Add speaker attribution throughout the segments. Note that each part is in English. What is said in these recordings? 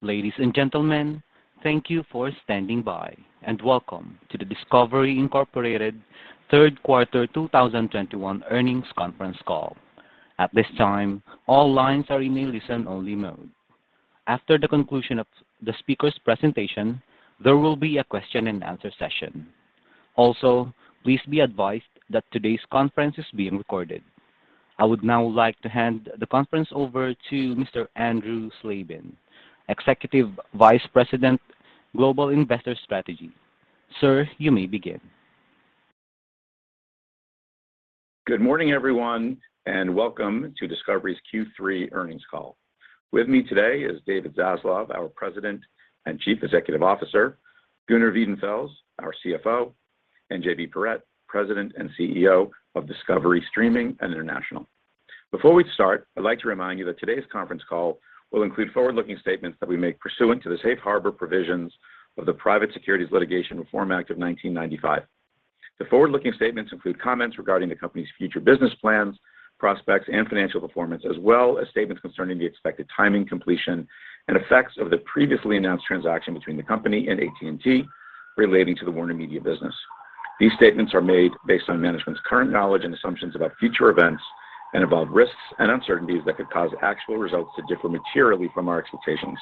Speaker 1: Ladies and gentlemen, thank you for standing by, and welcome to the Discovery, Inc. third quarter 2021 earnings conference call. At this time, all lines are in a listen-only mode. After the conclusion of the speaker's presentation, there will be a question-and-answer session. Also, please be advised that today's conference is being recorded. I would now like to hand the conference over to Mr. Andrew Slabin, Executive Vice President, Global Investor Strategy. Sir, you may begin.
Speaker 2: Good morning, everyone, and welcome to Discovery's Q3 earnings call. With me today is David Zaslav, our President and Chief Executive Officer, Gunnar Wiedenfels, our CFO, and JB Perrette, President and CEO of Discovery Streaming and International. Before we start, I'd like to remind you that today's conference call will include forward-looking statements that we make pursuant to the Safe Harbor Provisions of the Private Securities Litigation Reform Act of 1995. The forward-looking statements include comments regarding the company's future business plans, prospects, and financial performance, as well as statements concerning the expected timing, completion, and effects of the previously announced transaction between the company and AT&T relating to the WarnerMedia business. These statements are made based on management's current knowledge and assumptions about future events and involve risks and uncertainties that could cause actual results to differ materially from our expectations.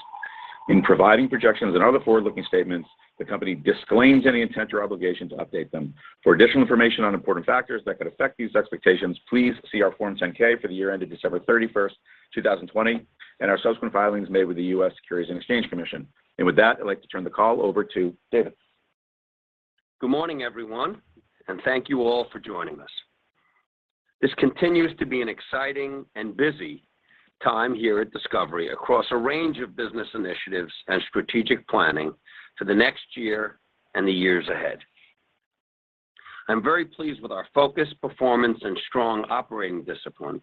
Speaker 2: In providing projections and other forward-looking statements, the company disclaims any intent or obligation to update them. For additional information on important factors that could affect these expectations, please see our Form 10-K for the year ended December 31st, 2020, and our subsequent filings made with the U.S. Securities and Exchange Commission. With that, I'd like to turn the call over to David.
Speaker 3: Good morning, everyone, and thank you all for joining us. This continues to be an exciting and busy time here at Discovery across a range of business initiatives and strategic planning for the next year and the years ahead. I'm very pleased with our focused performance and strong operating discipline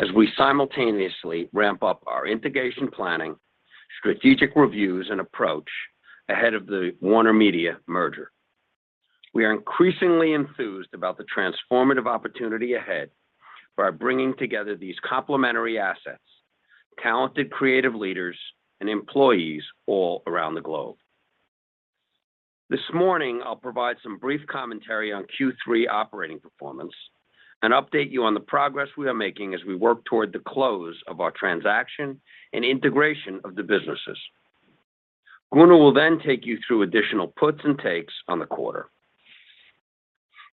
Speaker 3: as we simultaneously ramp up our integration planning, strategic reviews, and approach ahead of the WarnerMedia merger. We are increasingly enthused about the transformative opportunity ahead by bringing together these complementary assets, talented creative leaders and employees all around the globe. This morning, I'll provide some brief commentary on Q3 operating performance and update you on the progress we are making as we work toward the close of our transaction and integration of the businesses. Gunnar will then take you through additional puts and takes on the quarter.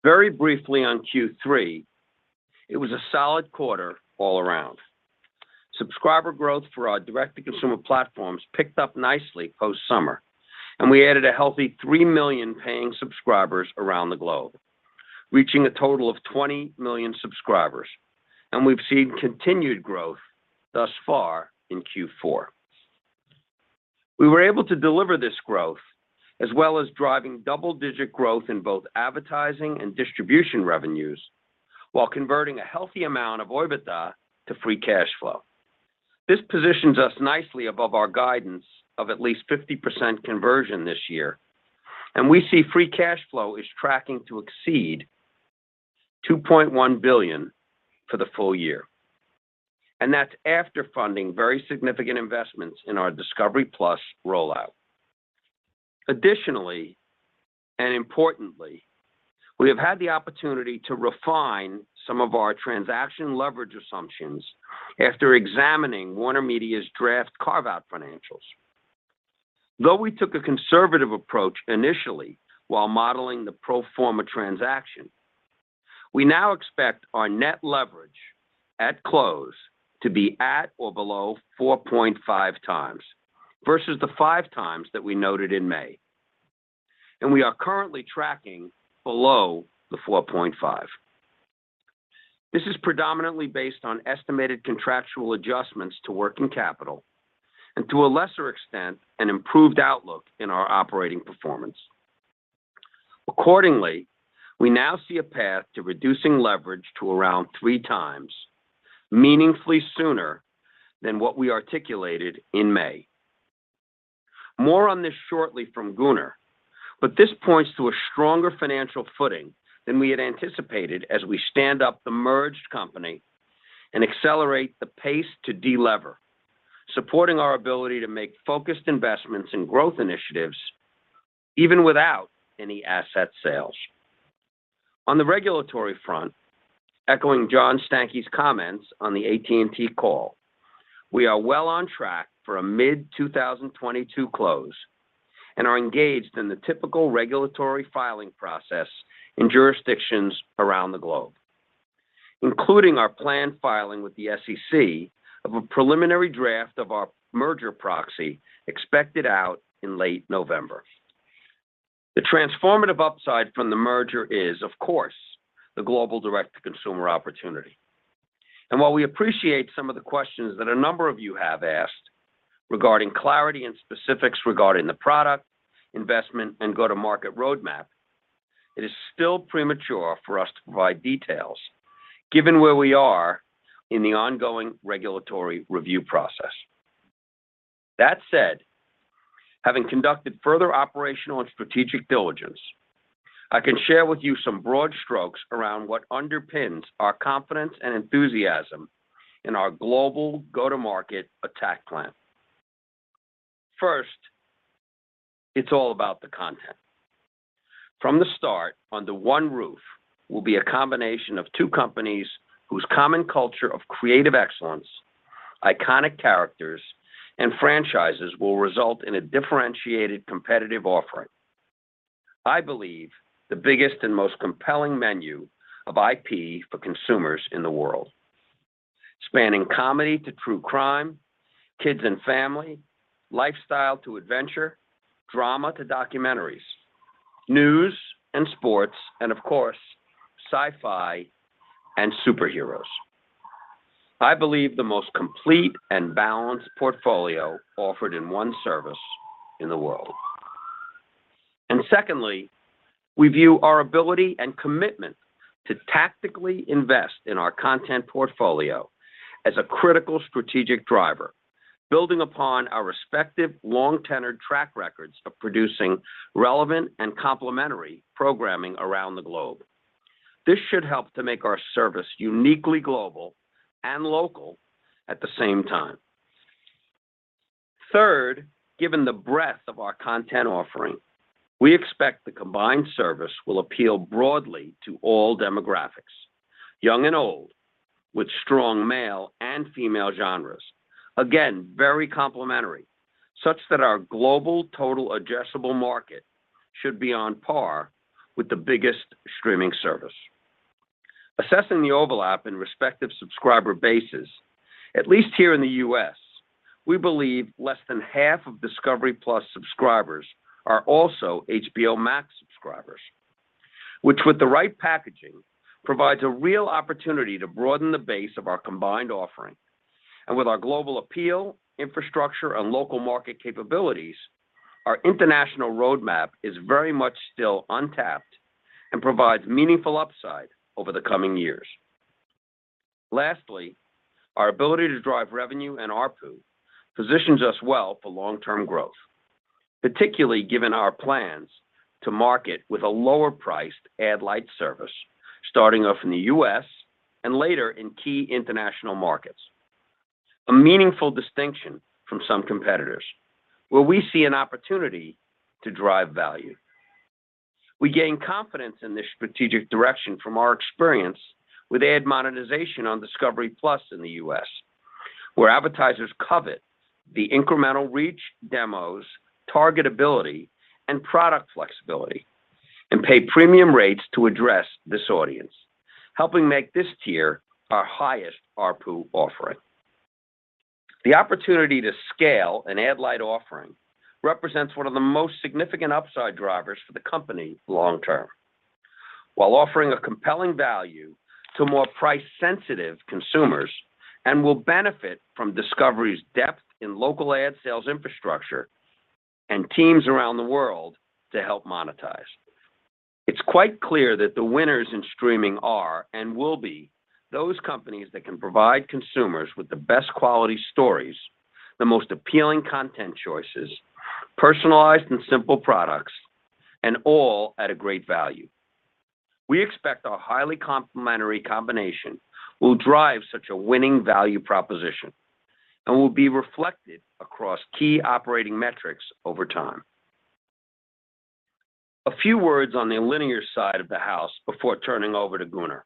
Speaker 3: Very briefly on Q3, it was a solid quarter all around. Subscriber growth for our direct-to-consumer platforms picked up nicely post-summer, and we added a healthy three million paying subscribers around the globe, reaching a total of 20 million subscribers. We've seen continued growth thus far in Q4. We were able to deliver this growth as well as driving double-digit growth in both advertising and distribution revenues while converting a healthy amount of OIBDA to free cash flow. This positions us nicely above our guidance of at least 50% conversion this year, and we see free cash flow is tracking to exceed $2.1 billion for the full year. That's after funding very significant investments in our discovery+ rollout. Additionally, and importantly, we have had the opportunity to refine some of our transaction leverage assumptions after examining WarnerMedia's draft carve-out financials. Though we took a conservative approach initially while modeling the pro forma transaction, we now expect our net leverage at close to be at or below 4.5x versus the 5x that we noted in May. We are currently tracking below the 4.5x. This is predominantly based on estimated contractual adjustments to working capital and to a lesser extent, an improved outlook in our operating performance. Accordingly, we now see a path to reducing leverage to around 3x meaningfully sooner than what we articulated in May. More on this shortly from Gunnar, but this points to a stronger financial footing than we had anticipated as we stand up the merged company and accelerate the pace to delever, supporting our ability to make focused investments in growth initiatives even without any asset sales. On the regulatory front, echoing John Stankey's comments on the AT&T call, we are well on track for a mid-2022 close and are engaged in the typical regulatory filing process in jurisdictions around the globe, including our planned filing with the SEC of a preliminary draft of our merger proxy expected out in late November. The transformative upside from the merger is, of course, the global direct-to-consumer opportunity. While we appreciate some of the questions that a number of you have asked regarding clarity and specifics regarding the product, investment, and go-to-market roadmap, it is still premature for us to provide details given where we are in the ongoing regulatory review process. That said, having conducted further operational and strategic diligence, I can share with you some broad strokes around what underpins our confidence and enthusiasm in our global go-to-market action plan. First, it's all about the content. From the start, under one roof will be a combination of two companies whose common culture of creative excellence, iconic characters, and franchises will result in a differentiated competitive offering. I believe the biggest and most compelling menu of IP for consumers in the world. Spanning comedy to true crime, kids and family, lifestyle to adventure, drama to documentaries, news and sports, and of course, sci-fi and superheroes. I believe the most complete and balanced portfolio offered in one service in the world. Secondly, we view our ability and commitment to tactically invest in our content portfolio as a critical strategic driver, building upon our respective long-tenured track records of producing relevant and complementary programming around the globe. This should help to make our service uniquely global and local at the same time. Third, given the breadth of our content offering, we expect the combined service will appeal broadly to all demographics, young and old, with strong male and female genres. Again, very complementary, such that our global total addressable market should be on par with the biggest streaming service. Assessing the overlap in respective subscriber bases, at least here in the U.S., we believe less than half of discovery+ subscribers are also HBO Max subscribers, which with the right packaging, provides a real opportunity to broaden the base of our combined offering. With our global appeal, infrastructure, and local market capabilities, our international roadmap is very much still untapped and provides meaningful upside over the coming years. Lastly, our ability to drive revenue and ARPU positions us well for long-term growth, particularly given our plans to market with a lower-priced ad light service starting off in the U.S. and later in key international markets. A meaningful distinction from some competitors, where we see an opportunity to drive value. We gain confidence in this strategic direction from our experience with ad monetization on discovery+ in the U.S., where advertisers covet the incremental reach demos, targetability, and product flexibility, and pay premium rates to address this audience, helping make this tier our highest ARPU offering. The opportunity to scale an ad light offering represents one of the most significant upside drivers for the company long term, while offering a compelling value to more price-sensitive consumers and will benefit from Discovery's depth in local ad sales infrastructure and teams around the world to help monetize. It's quite clear that the winners in streaming are and will be those companies that can provide consumers with the best quality stories, the most appealing content choices, personalized and simple products, and all at a great value. We expect our highly complementary combination will drive such a winning value proposition and will be reflected across key operating metrics over time. A few words on the linear side of the house before turning over to Gunnar.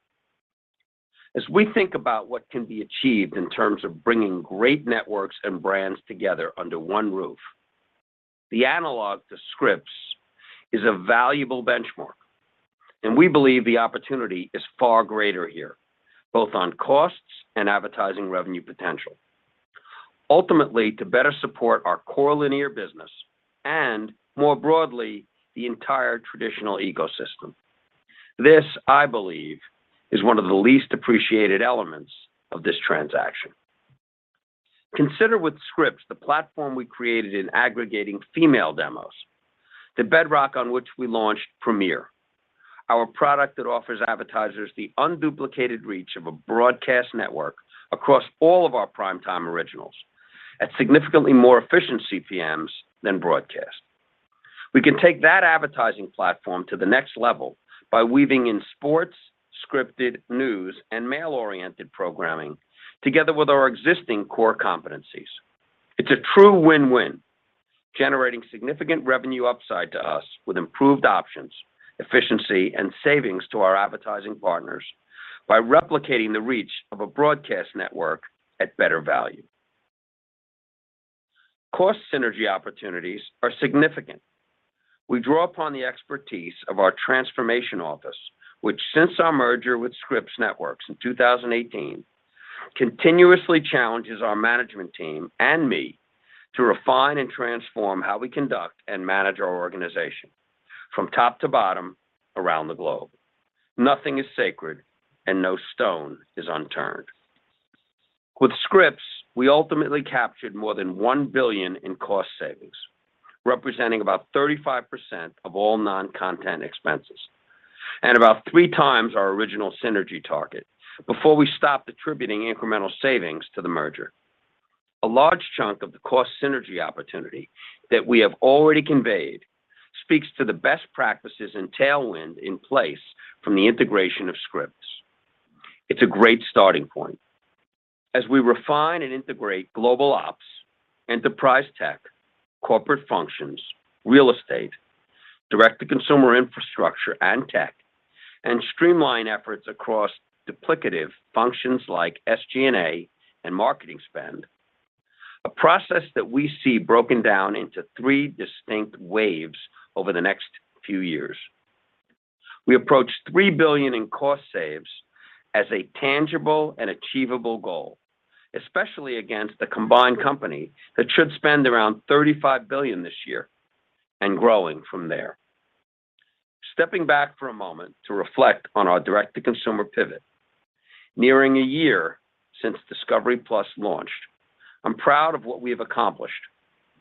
Speaker 3: As we think about what can be achieved in terms of bringing great networks and brands together under one roof, the analogy to Scripps is a valuable benchmark, and we believe the opportunity is far greater here, both on costs and advertising revenue potential, ultimately to better support our core linear business and more broadly the entire traditional ecosystem. This, I believe, is one of the least appreciated elements of this transaction. Consider, with Scripps, the platform we created in aggregating female demos, the bedrock on which we launched Premiere, our product that offers advertisers the unduplicated reach of a broadcast network across all of our primetime originals at significantly more efficient CPMs than broadcast. We can take that advertising platform to the next level by weaving in sports, scripted news, and male-oriented programming together with our existing core competencies. It's a true win-win, generating significant revenue upside to us with improved options, efficiency, and savings to our advertising partners by replicating the reach of a broadcast network at better value. Cost synergy opportunities are significant. We draw upon the expertise of our transformation office, which since our merger with Scripps Networks in 2018, continuously challenges our management team and me to refine and transform how we conduct and manage our organization from top to bottom around the globe. Nothing is sacred and no stone is unturned. With Scripps, we ultimately captured more than $1 billion in cost savings, representing about 35% of all non-content expenses and about three times our original synergy target before we stopped attributing incremental savings to the merger. A large chunk of the cost synergy opportunity that we have already conveyed speaks to the best practices and tailwind in place from the integration of Scripps. It's a great starting point. As we refine and integrate global ops, enterprise tech, corporate functions, real estate, direct-to-consumer infrastructure and tech, and streamline efforts across duplicative functions like SG&A and marketing spend. A process that we see broken down into three distinct waves over the next few years. We approach $3 billion in cost saves as a tangible and achievable goal, especially against the combined company that should spend around $35 billion this year and growing from there. Stepping back for a moment to reflect on our direct-to-consumer pivot. Nearing a year since discovery+ launched, I'm proud of what we have accomplished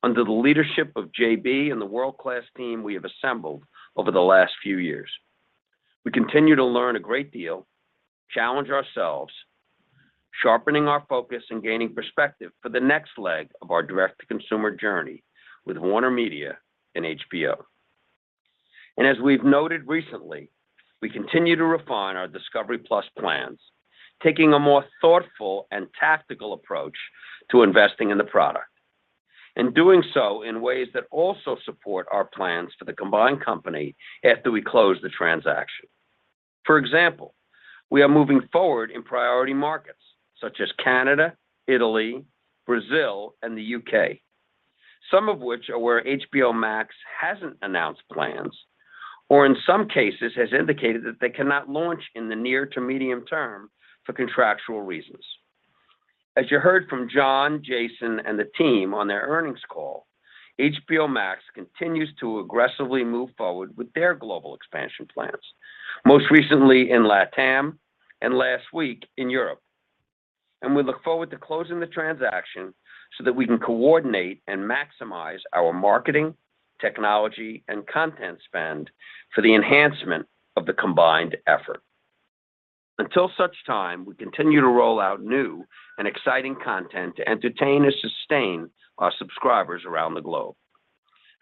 Speaker 3: under the leadership of JB and the world-class team we have assembled over the last few years. We continue to learn a great deal, challenge ourselves, sharpening our focus and gaining perspective for the next leg of our direct-to-consumer journey with WarnerMedia and HBO. As we've noted recently, we continue to refine our discovery+ plans, taking a more thoughtful and tactical approach to investing in the product. Doing so in ways that also support our plans for the combined company after we close the transaction. For example, we are moving forward in priority markets such as Canada, Italy, Brazil, and the U.K. Some of which are where HBO Max hasn't announced plans, or in some cases, has indicated that they cannot launch in the near to medium term for contractual reasons. As you heard from John, Jason, and the team on their earnings call, HBO Max continues to aggressively move forward with their global expansion plans, most recently in LATAM and last week in Europe. We look forward to closing the transaction so that we can coordinate and maximize our marketing, technology, and content spend for the enhancement of the combined effort. Until such time, we continue to roll out new and exciting content to entertain and sustain our subscribers around the globe.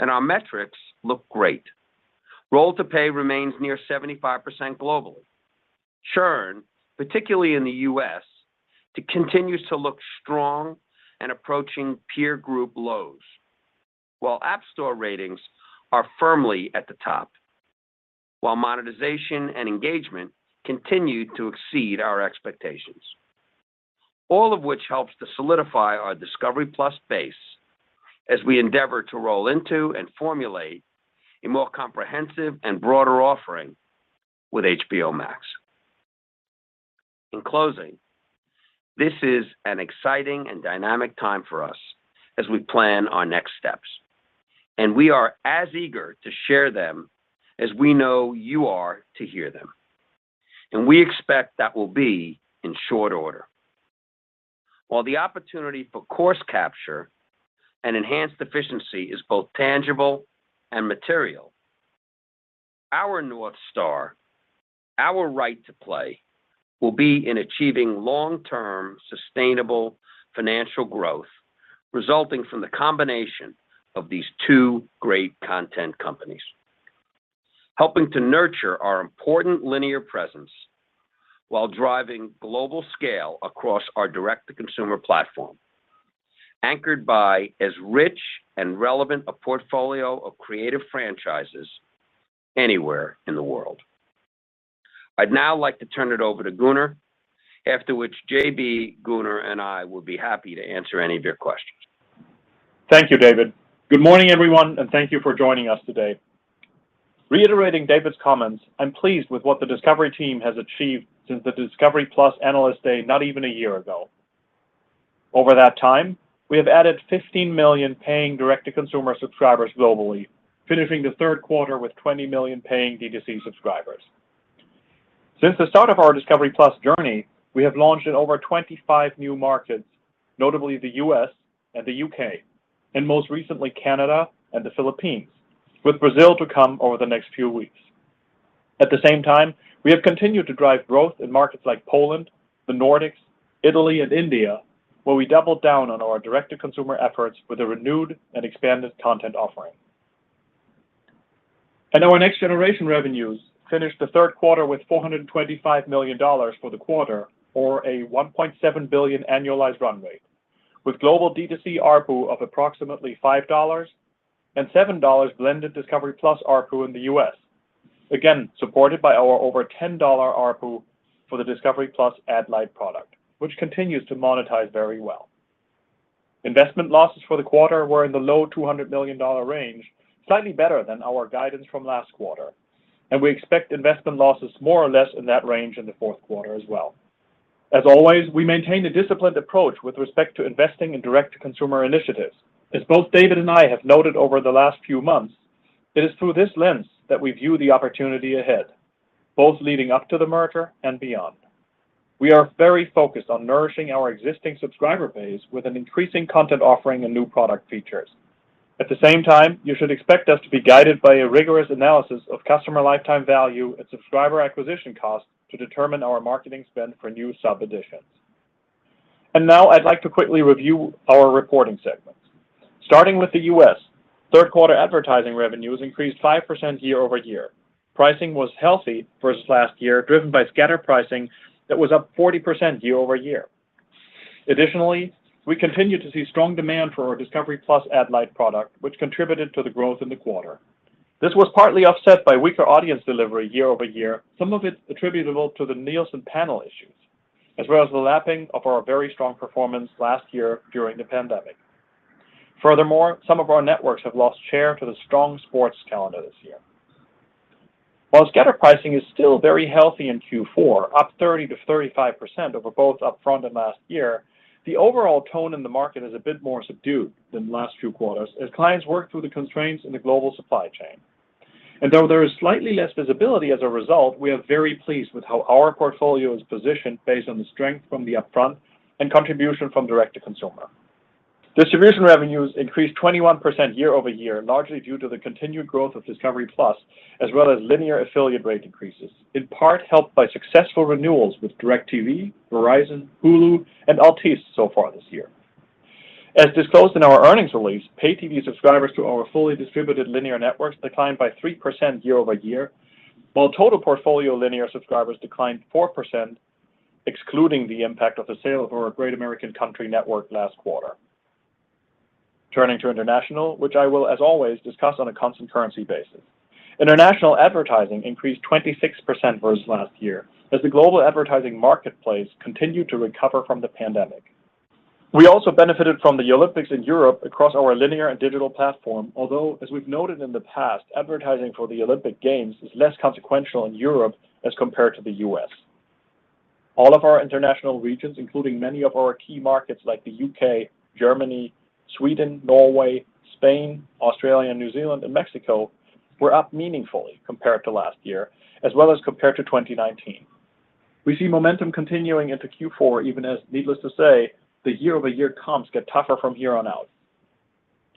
Speaker 3: Our metrics look great. Roll to pay remains near 75% globally. Churn, particularly in the U.S., continues to look strong and approaching peer group lows. While App Store ratings are firmly at the top. While monetization and engagement continue to exceed our expectations. All of which helps to solidify our discovery+ base as we endeavor to roll into and formulate a more comprehensive and broader offering with HBO Max. In closing, this is an exciting and dynamic time for us as we plan our next steps, and we are as eager to share them as we know you are to hear them. We expect that will be in short order. While the opportunity for course capture and enhanced efficiency is both tangible and material, our North Star, our right to play, will be in achieving long-term, sustainable financial growth resulting from the combination of these two great content companies, helping to nurture our important linear presence while driving global scale across our direct-to-consumer platform, anchored by as rich and relevant a portfolio of creative franchises anywhere in the world. I'd now like to turn it over to Gunnar, after which JB, Gunnar, and I will be happy to answer any of your questions.
Speaker 4: Thank you, David. Good morning, everyone, and thank you for joining us today. Reiterating David's comments, I'm pleased with what the Discovery team has achieved since the discovery+ Analyst Day not even a year ago. Over that time, we have added 15 million paying direct-to-consumer subscribers globally, finishing the third quarter with 20 million paying D2C subscribers. Since the start of our discovery+ journey, we have launched in over 25 new markets, notably the U.S. and the U.K., and most recently, Canada and the Philippines, with Brazil to come over the next few weeks. At the same time, we have continued to drive growth in markets like Poland, the Nordics, Italy, and India, where we doubled down on our direct-to-consumer efforts with a renewed and expanded content offering. Our Next Generation Revenues finished the third quarter with $425 million for the quarter or a $1.7 billion annualized run rate, with global D2C ARPU of approximately $5 and $7 blended discovery+ ARPU in the U.S. Again, supported by our over $10 ARPU for the discovery+ Ad Light product, which continues to monetize very well. Investment losses for the quarter were in the low $200 million range, slightly better than our guidance from last quarter. We expect investment losses more or less in that range in the fourth quarter as well. As always, we maintain a disciplined approach with respect to investing in direct-to-consumer initiatives. As both David and I have noted over the last few months, it is through this lens that we view the opportunity ahead, both leading up to the merger and beyond. We are very focused on nourishing our existing subscriber base with an increasing content offering and new product features. At the same time, you should expect us to be guided by a rigorous analysis of customer lifetime value and subscriber acquisition costs to determine our marketing spend for new sub additions. Now I'd like to quickly review our reporting segments. Starting with the U.S., third quarter advertising revenues increased 5% year-over-year. Pricing was healthy versus last year, driven by scatter pricing that was up 40% year-over-year. Additionally, we continued to see strong demand for our discovery+ Ad Light product, which contributed to the growth in the quarter. This was partly offset by weaker audience delivery year-over-year, some of it attributable to the Nielsen panel issues, as well as the lapping of our very strong performance last year during the pandemic. Furthermore, some of our networks have lost share to the strong sports calendar this year. While scatter pricing is still very healthy in Q4, up 30%-35% over both upfront and last year, the overall tone in the market is a bit more subdued than the last few quarters as clients work through the constraints in the global supply chain. Though there is slightly less visibility as a result, we are very pleased with how our portfolio is positioned based on the strength from the upfront and contribution from direct-to-consumer. Distribution revenues increased 21% year-over-year, largely due to the continued growth of discovery+, as well as linear affiliate rate increases, in part helped by successful renewals with DirecTV, Verizon, Hulu, and Altice so far this year. As disclosed in our earnings release, pay TV subscribers to our fully distributed linear networks declined by 3% year-over-year, while total portfolio linear subscribers declined 4%, excluding the impact of the sale of our Great American Country network last quarter. Turning to international, which I will, as always, discuss on a constant currency basis. International advertising increased 26% versus last year as the global advertising marketplace continued to recover from the pandemic. We also benefited from the Olympics in Europe across our linear and digital platform. Although, as we've noted in the past, advertising for the Olympic Games is less consequential in Europe as compared to the U.S. All of our international regions, including many of our key markets like the U.K., Germany, Sweden, Norway, Spain, Australia, New Zealand, and Mexico, were up meaningfully compared to last year, as well as compared to 2019. We see momentum continuing into Q4, even as needless to say, the year-over-year comps get tougher from here on out.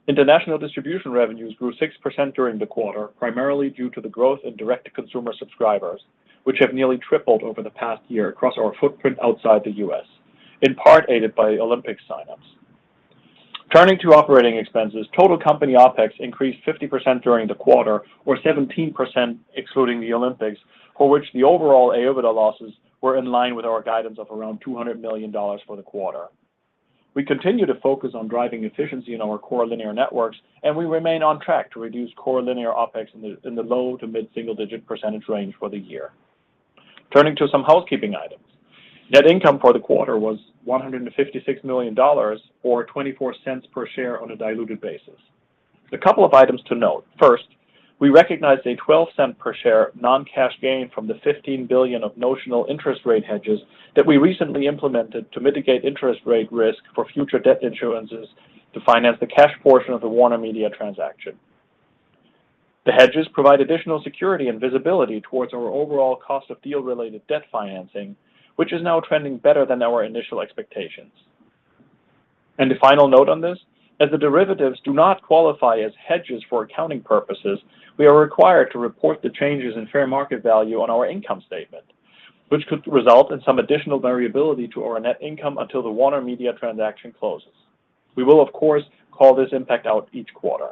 Speaker 4: International distribution revenues grew 6% during the quarter, primarily due to the growth in direct-to-consumer subscribers, which have nearly tripled over the past year across our footprint outside the U.S., in part aided by Olympic signups. Turning to operating expenses, total company OpEx increased 50% during the quarter or 17% excluding the Olympics, for which the overall OIBDA losses were in line with our guidance of around $200 million for the quarter. We continue to focus on driving efficiency in our core linear networks, and we remain on track to reduce core linear OpEx in the low- to mid-single-digit percentage range for the year. Turning to some housekeeping items. Net income for the quarter was $156 million or $0.24 per share on a diluted basis. A couple of items to note. First, we recognized a $0.12 per share non-cash gain from the $15 billion of notional interest rate hedges that we recently implemented to mitigate interest rate risk for future debt issuances to finance the cash portion of the WarnerMedia transaction. The hedges provide additional security and visibility towards our overall cost of deal-related debt financing, which is now trending better than our initial expectations. A final note on this, as the derivatives do not qualify as hedges for accounting purposes, we are required to report the changes in fair market value on our income statement, which could result in some additional variability to our net income until the WarnerMedia transaction closes. We will of course call this impact out each quarter.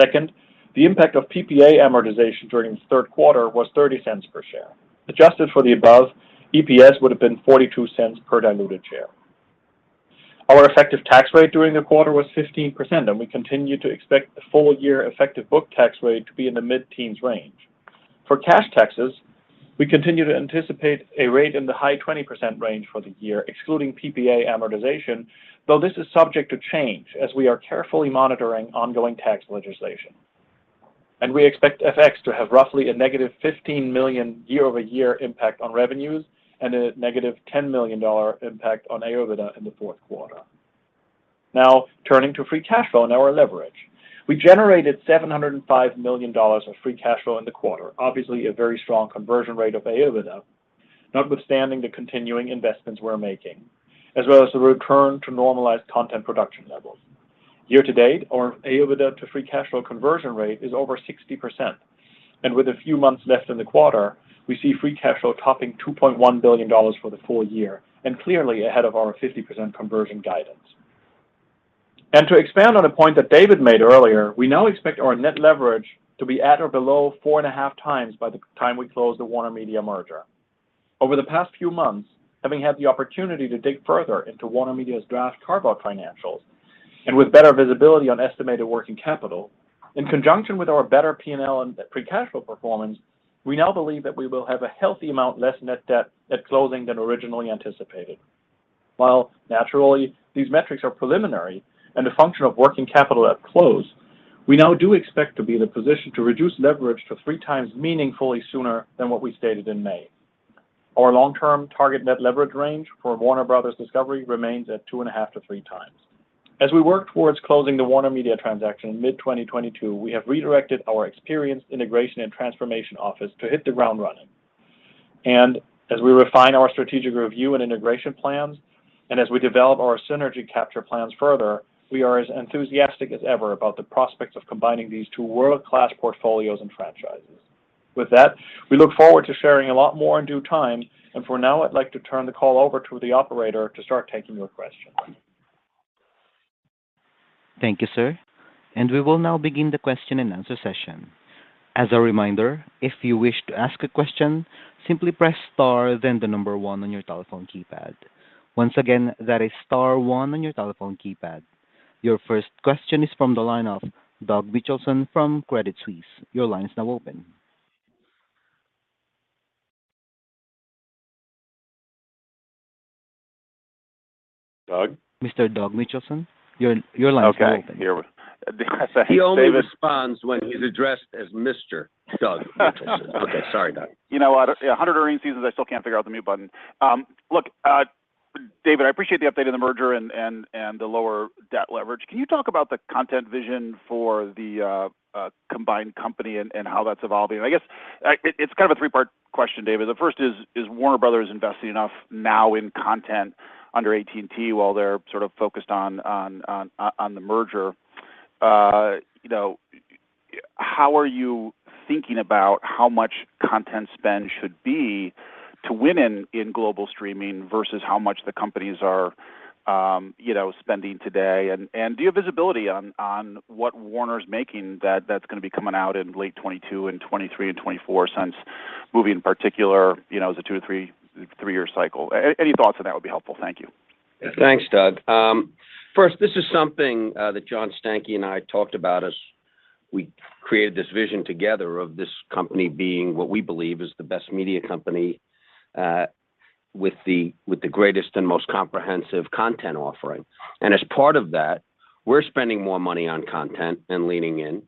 Speaker 4: Second, the impact of PPA amortization during the third quarter was $0.30 per share. Adjusted for the above, EPS would have been $0.42 per diluted share. Our effective tax rate during the quarter was 15%, and we continue to expect the full year effective book tax rate to be in the mid-teens range. For cash taxes, we continue to anticipate a rate in the high 20% range for the year, excluding PPA amortization, though this is subject to change as we are carefully monitoring ongoing tax legislation. We expect FX to have roughly a -$15 million year-over-year impact on revenues and a -$10 million impact on AOIBDA in the fourth quarter. Now, turning to free cash flow and our leverage. We generated $705 million of free cash flow in the quarter. Obviously, a very strong conversion rate of AOIBDA, notwithstanding the continuing investments we're making, as well as the return to normalized content production levels. Year-to-date, our AOIBDA to free cash flow conversion rate is over 60%. With a few months left in the quarter, we see free cash flow topping $2.1 billion for the full year, and clearly ahead of our 50% conversion guidance. To expand on a point that David made earlier, we now expect our net leverage to be at or below 4.5x by the time we close the WarnerMedia merger. Over the past few months, having had the opportunity to dig further into WarnerMedia's draft carve-out financials and with better visibility on estimated working capital, in conjunction with our better P&L and pre-cash flow performance, we now believe that we will have a healthy amount less net debt at closing than originally anticipated. While naturally, these metrics are preliminary and a function of working capital at close, we now do expect to be in a position to reduce leverage to 3x meaningfully sooner than what we stated in May. Our long-term target net leverage range for Warner Bros. Discovery remains at 2.5x-3x. As we work towards closing the WarnerMedia transaction in mid-2022, we have redirected our experienced integration and transformation office to hit the ground running. As we refine our strategic review and integration plans and as we develop our synergy capture plans further, we are as enthusiastic as ever about the prospects of combining these two world-class portfolios and franchises. With that, we look forward to sharing a lot more in due time. For now, I'd like to turn the call over to the operator to start taking your questions.
Speaker 1: Thank you, sir. We will now begin the question-and-answer session. As a reminder, if you wish to ask a question, simply press star then the number one on your telephone keypad. Once again, that is star one on your telephone keypad. Your first question is from the line of Doug Mitchelson from Credit Suisse. Your line is now open.
Speaker 3: Doug?
Speaker 1: Mr. Doug Mitchelson, your line is open.
Speaker 5: Okay. Sorry, David.
Speaker 3: He only responds when he's addressed as Mr. Doug Mitchelson. Okay. Sorry, Doug.
Speaker 5: You know what? 100 earnings seasons, I still can't figure out the mute button. Look, David, I appreciate the update on the merger and the lower debt leverage. Can you talk about the content vision for the combined company and how that's evolving? I guess, it's kind of a three-part question, David. The first is Warner Bros. investing enough now in content under AT&T while they're sort of focused on the merger? You know, how are you thinking about how much content spend should be to win in global streaming versus how much the companies are, you know, spending today? Do you have visibility on what Warner's making that's gonna be coming out in late 2022 and 2023 and 2024 since movies in particular, you know, is a two- to three-year cycle. Any thoughts on that would be helpful. Thank you.
Speaker 3: Thanks, Doug. First, this is something that John Stankey and I talked about as we created this vision together of this company being what we believe is the best media company with the greatest and most comprehensive content offering. As part of that, we're spending more money on content and leaning in,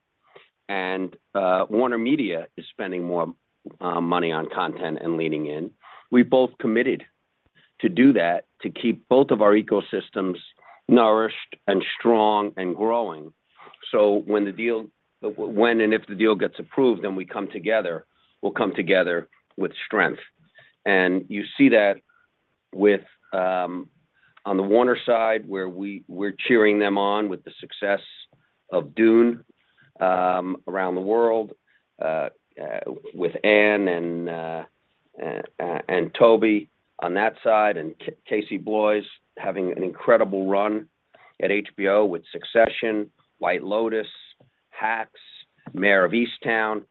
Speaker 3: and WarnerMedia is spending more money on content and leaning in. We both committed to do that to keep both of our ecosystems nourished and strong and growing. When and if the deal gets approved, then we come together. We'll come together with strength. You see that with on the Warner side where we're cheering them on with the success of Dune around the world with Ann and Toby on that side, and Casey Bloys having an incredible run at HBO with Succession, White Lotus, Hacks, Mare of Easttown.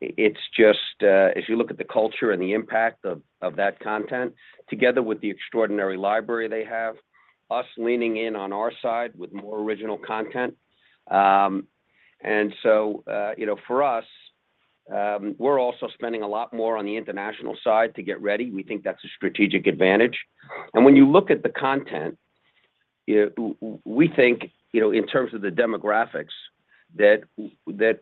Speaker 3: It's just if you look at the culture and the impact of that content together with the extraordinary library they have, us leaning in on our side with more original content. You know, for us, we're also spending a lot more on the international side to get ready. We think that's a strategic advantage. When you look at the content, you know, we think, you know, in terms of the demographics that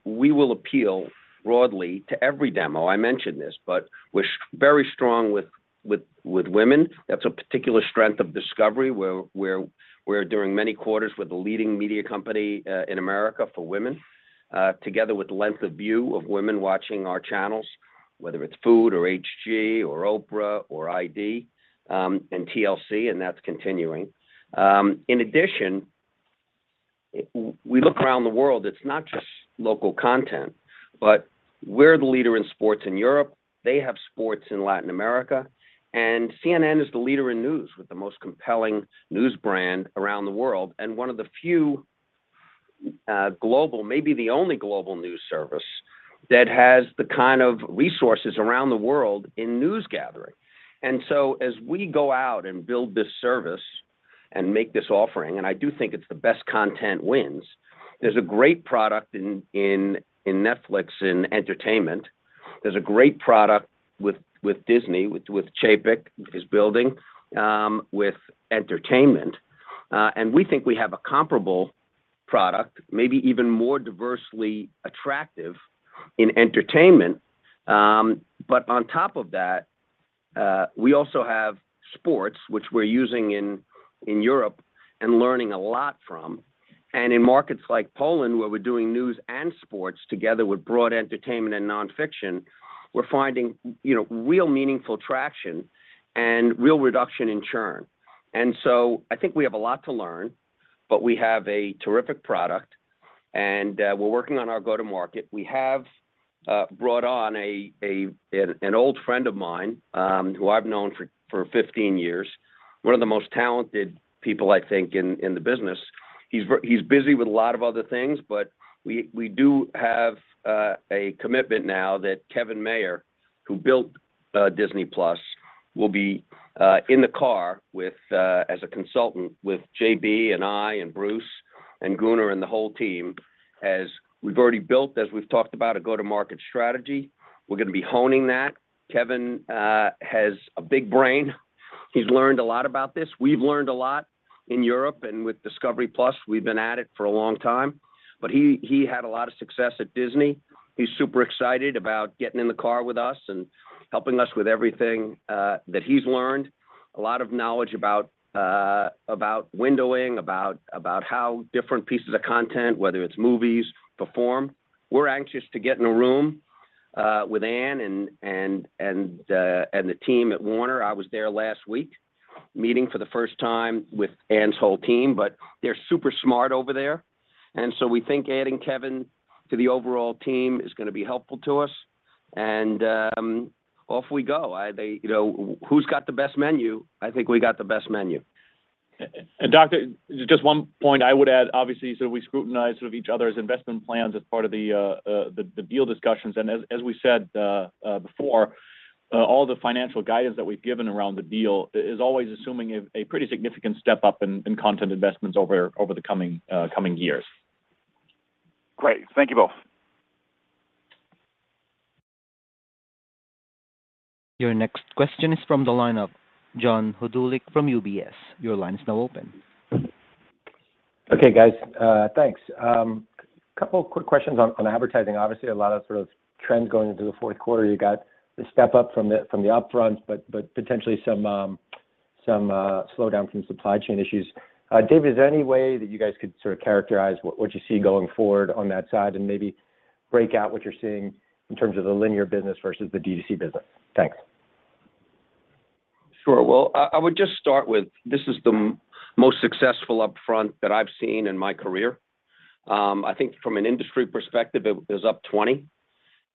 Speaker 3: we will appeal broadly to every demo. I mentioned this, but we're very strong with women. That's a particular strength of Discovery, where during many quarters, we're the leading media company in America for women, together with length of view of women watching our channels, whether it's Food or HGTV or Oprah or ID, and TLC, and that's continuing. In addition, we look around the world, it's not just local content, but we're the leader in sports in Europe. We have sports in Latin America, and CNN is the leader in news with the most compelling news brand around the world. One of the few global, maybe the only global news service that has the kind of resources around the world in news gathering. As we go out and build this service and make this offering, and I do think it's the best content wins, there's a great product in Netflix in entertainment. There's a great product with Disney, with Chapek is building, with entertainment. We think we have a comparable product, maybe even more diversely attractive in entertainment. But on top of that, we also have sports, which we're using in Europe and learning a lot from. In markets like Poland, where we're doing news and sports together with broad entertainment and nonfiction, we're finding, you know, real meaningful traction and real reduction in churn. I think we have a lot to learn, but we have a terrific product, and we're working on our go-to-market. We have brought on an old friend of mine, who I've known for 15 years, one of the most talented people I think in the business. He's busy with a lot of other things, but we do have a commitment now that Kevin Mayer, who built Disney+, will be in the chair with as a consultant with JB and I and Bruce and Gunnar and the whole team. As we've already built, as we've talked about a go-to-market strategy, we're gonna be honing that. Kevin has a big brain. He's learned a lot about this. We've learned a lot in Europe and with discovery+. We've been at it for a long time, but he had a lot of success at Disney. He's super excited about getting in the car with us and helping us with everything that he's learned, a lot of knowledge about windowing, about how different pieces of content, whether it's movies, perform. We're anxious to get in a room with Anne and the team at Warner. I was there last week meeting for the first time with Anne's whole team, but they're super smart over there. We think adding Kevin to the overall team is going to be helpful to us. Off we go. You know, who's got the best menu? I think we got the best menu.
Speaker 4: Doug, just one point I would add, obviously, so we scrutinize sort of each other's investment plans as part of the deal discussions. As we said before, all the financial guidance that we've given around the deal is always assuming a pretty significant step up in content investments over the coming years.
Speaker 5: Great. Thank you both.
Speaker 1: Your next question is from the line of John Hodulik from UBS. Your line is now open.
Speaker 6: Okay, guys, thanks. A couple of quick questions on advertising. Obviously, a lot of sort of trends going into the fourth quarter. You got the step up from the upfront, but potentially some slowdown from supply chain issues. Dave, is there any way that you guys could sort of characterize what you see going forward on that side and maybe break out what you're seeing in terms of the linear business versus the D2C business? Thanks.
Speaker 3: Sure. Well, I would just start with this is the most successful upfront that I've seen in my career. I think from an industry perspective, it is up 20%,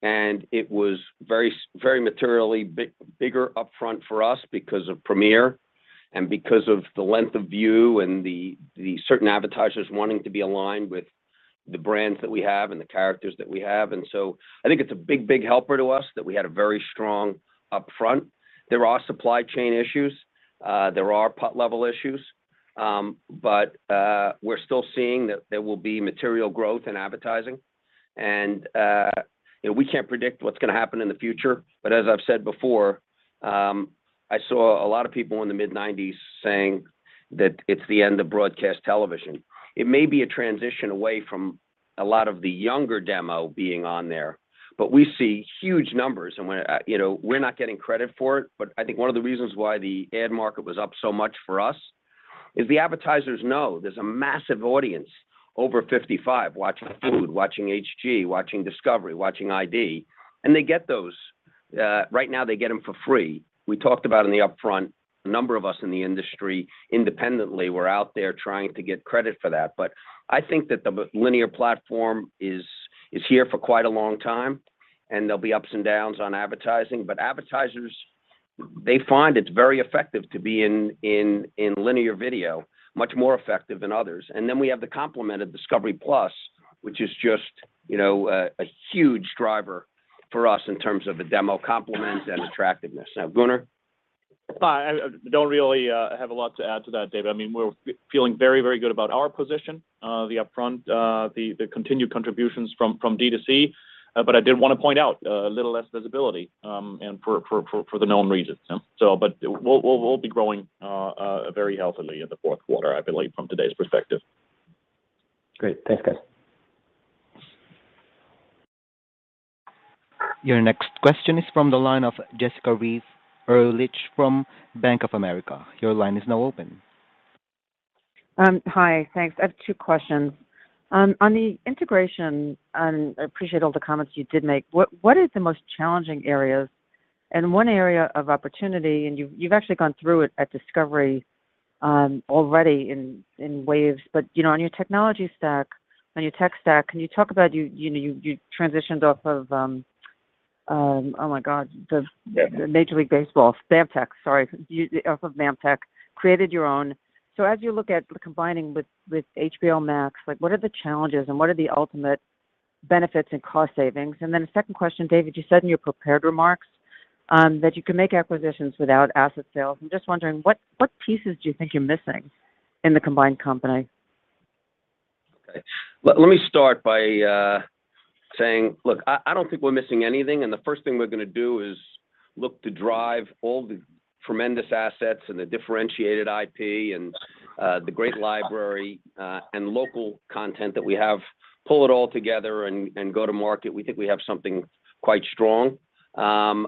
Speaker 3: and it was very materially bigger upfront for us because of Premiere and because of the length of view and the certain advertisers wanting to be aligned with the brands that we have and the characters that we have. I think it's a big helper to us that we had a very strong upfront. There are supply chain issues. There are port level issues. We're still seeing that there will be material growth in advertising. You know, we can't predict what's gonna happen in the future. As I've said before, I saw a lot of people in the mid-1990s saying that it's the end of broadcast television. It may be a transition away from a lot of the younger demo being on there, but we see huge numbers. You know, we're not getting credit for it, but I think one of the reasons why the ad market was up so much for us is the advertisers know there's a massive audience over 55 watching Food, watching HGTV, watching Discovery Channel, watching Investigation Discovery, and they get those. Right now, they get them for free. We talked about in the upfront, a number of us in the industry independently were out there trying to get credit for that. I think that the linear platform is here for quite a long time, and there'll be ups and downs on advertising. Advertisers, they find it's very effective to be in linear video, much more effective than others. Then we have the complement of discovery+, which is just, you know, a huge driver for us in terms of the demo complements and attractiveness. Now, Gunnar.
Speaker 4: I don't really have a lot to add to that, Dave. I mean, we're feeling very good about our position, the upfront, the continued contributions from D2C. But I did want to point out a little less visibility, and for the known reasons. We'll be growing very healthily in the fourth quarter, I believe, from today's perspective.
Speaker 6: Great. Thanks, guys.
Speaker 1: Your next question is from the line of Jessica Reif Ehrlich from Bank of America. Your line is now open.
Speaker 7: Hi. Thanks. I have two questions. On the integration, I appreciate all the comments you did make. What is the most challenging areas? One area of opportunity, and you've actually gone through it at Discovery already in waves. You know, on your technology stack, on your tech stack, can you talk about you know, you transitioned off of oh my God, the Major League Baseball, BAMTech, sorry, off of BAMTech, created your own. So as you look at combining with HBO Max, like what are the challenges and what are the ultimate benefits and cost savings? Then a second question, David, you said in your prepared remarks that you can make acquisitions without asset sales. I'm just wondering what pieces do you think you're missing in the combined company?
Speaker 3: Okay. Let me start by saying, look, I don't think we're missing anything, and the first thing we're gonna do is look to drive all the tremendous assets and the differentiated IP and the great library and local content that we have, pull it all together and go to market. We think we have something quite strong. I'm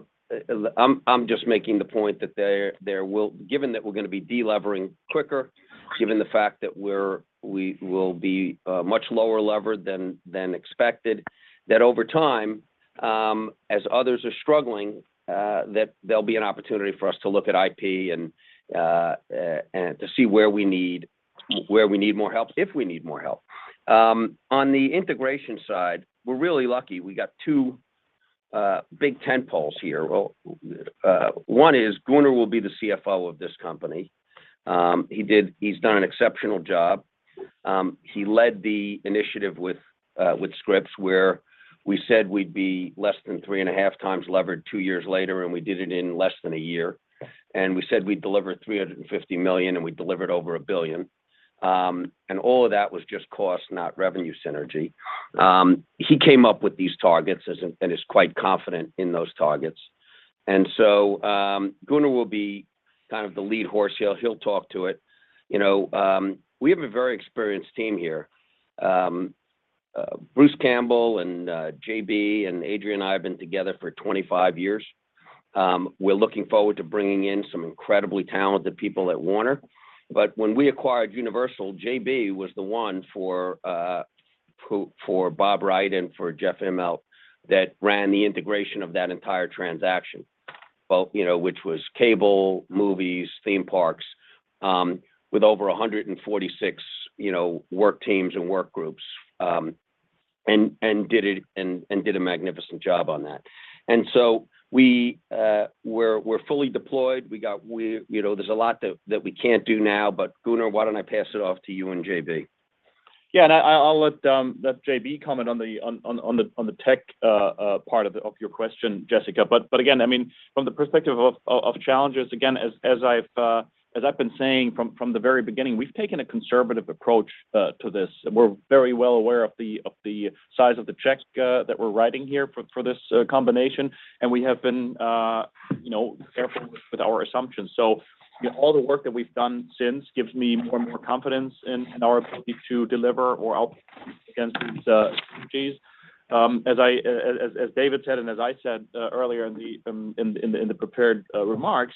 Speaker 3: just making the point that there will, given that we're gonna be delevering quicker, given the fact that we will be much lower levered than expected, that over time, as others are struggling, that there'll be an opportunity for us to look at IP and to see where we need more help, if we need more help. On the integration side, we're really lucky. We got two big tentpoles here. Well, one is Gunnar will be the CFO of this company. He's done an exceptional job. He led the initiative with Scripps, where we said we'd be less than 3.5x levered two years later, and we did it in less than a year. We said we'd deliver $350 million, and we delivered over $1 billion. All of that was just cost, not revenue synergy. He came up with these targets and is quite confident in those targets. Gunnar will be kind of the lead horse. He'll talk to it. You know, we have a very experienced team here. Bruce Campbell and JB and Adrian and I have been together for 25 years. We're looking forward to bringing in some incredibly talented people at Warner. When we acquired Universal, JB was the one for Bob Wright and for Jeff Immelt that ran the integration of that entire transaction. You know, which was cable, movies, theme parks, with over 146 work teams and work groups, and did a magnificent job on that. We're fully deployed. You know, there's a lot that we can't do now, but Gunnar, why don't I pass it off to you and JB?
Speaker 4: Yeah. I'll let JB comment on the tech part of your question, Jessica. Again, I mean, from the perspective of challenges, again, as I've been saying from the very beginning, we've taken a conservative approach to this. We're very well aware of the size of the checks that we're writing here for this combination, and we have been, you know, careful with our assumptions. All the work that we've done since gives me more and more confidence in our ability to deliver our output against these synergies. As David said, and as I said earlier in the prepared remarks,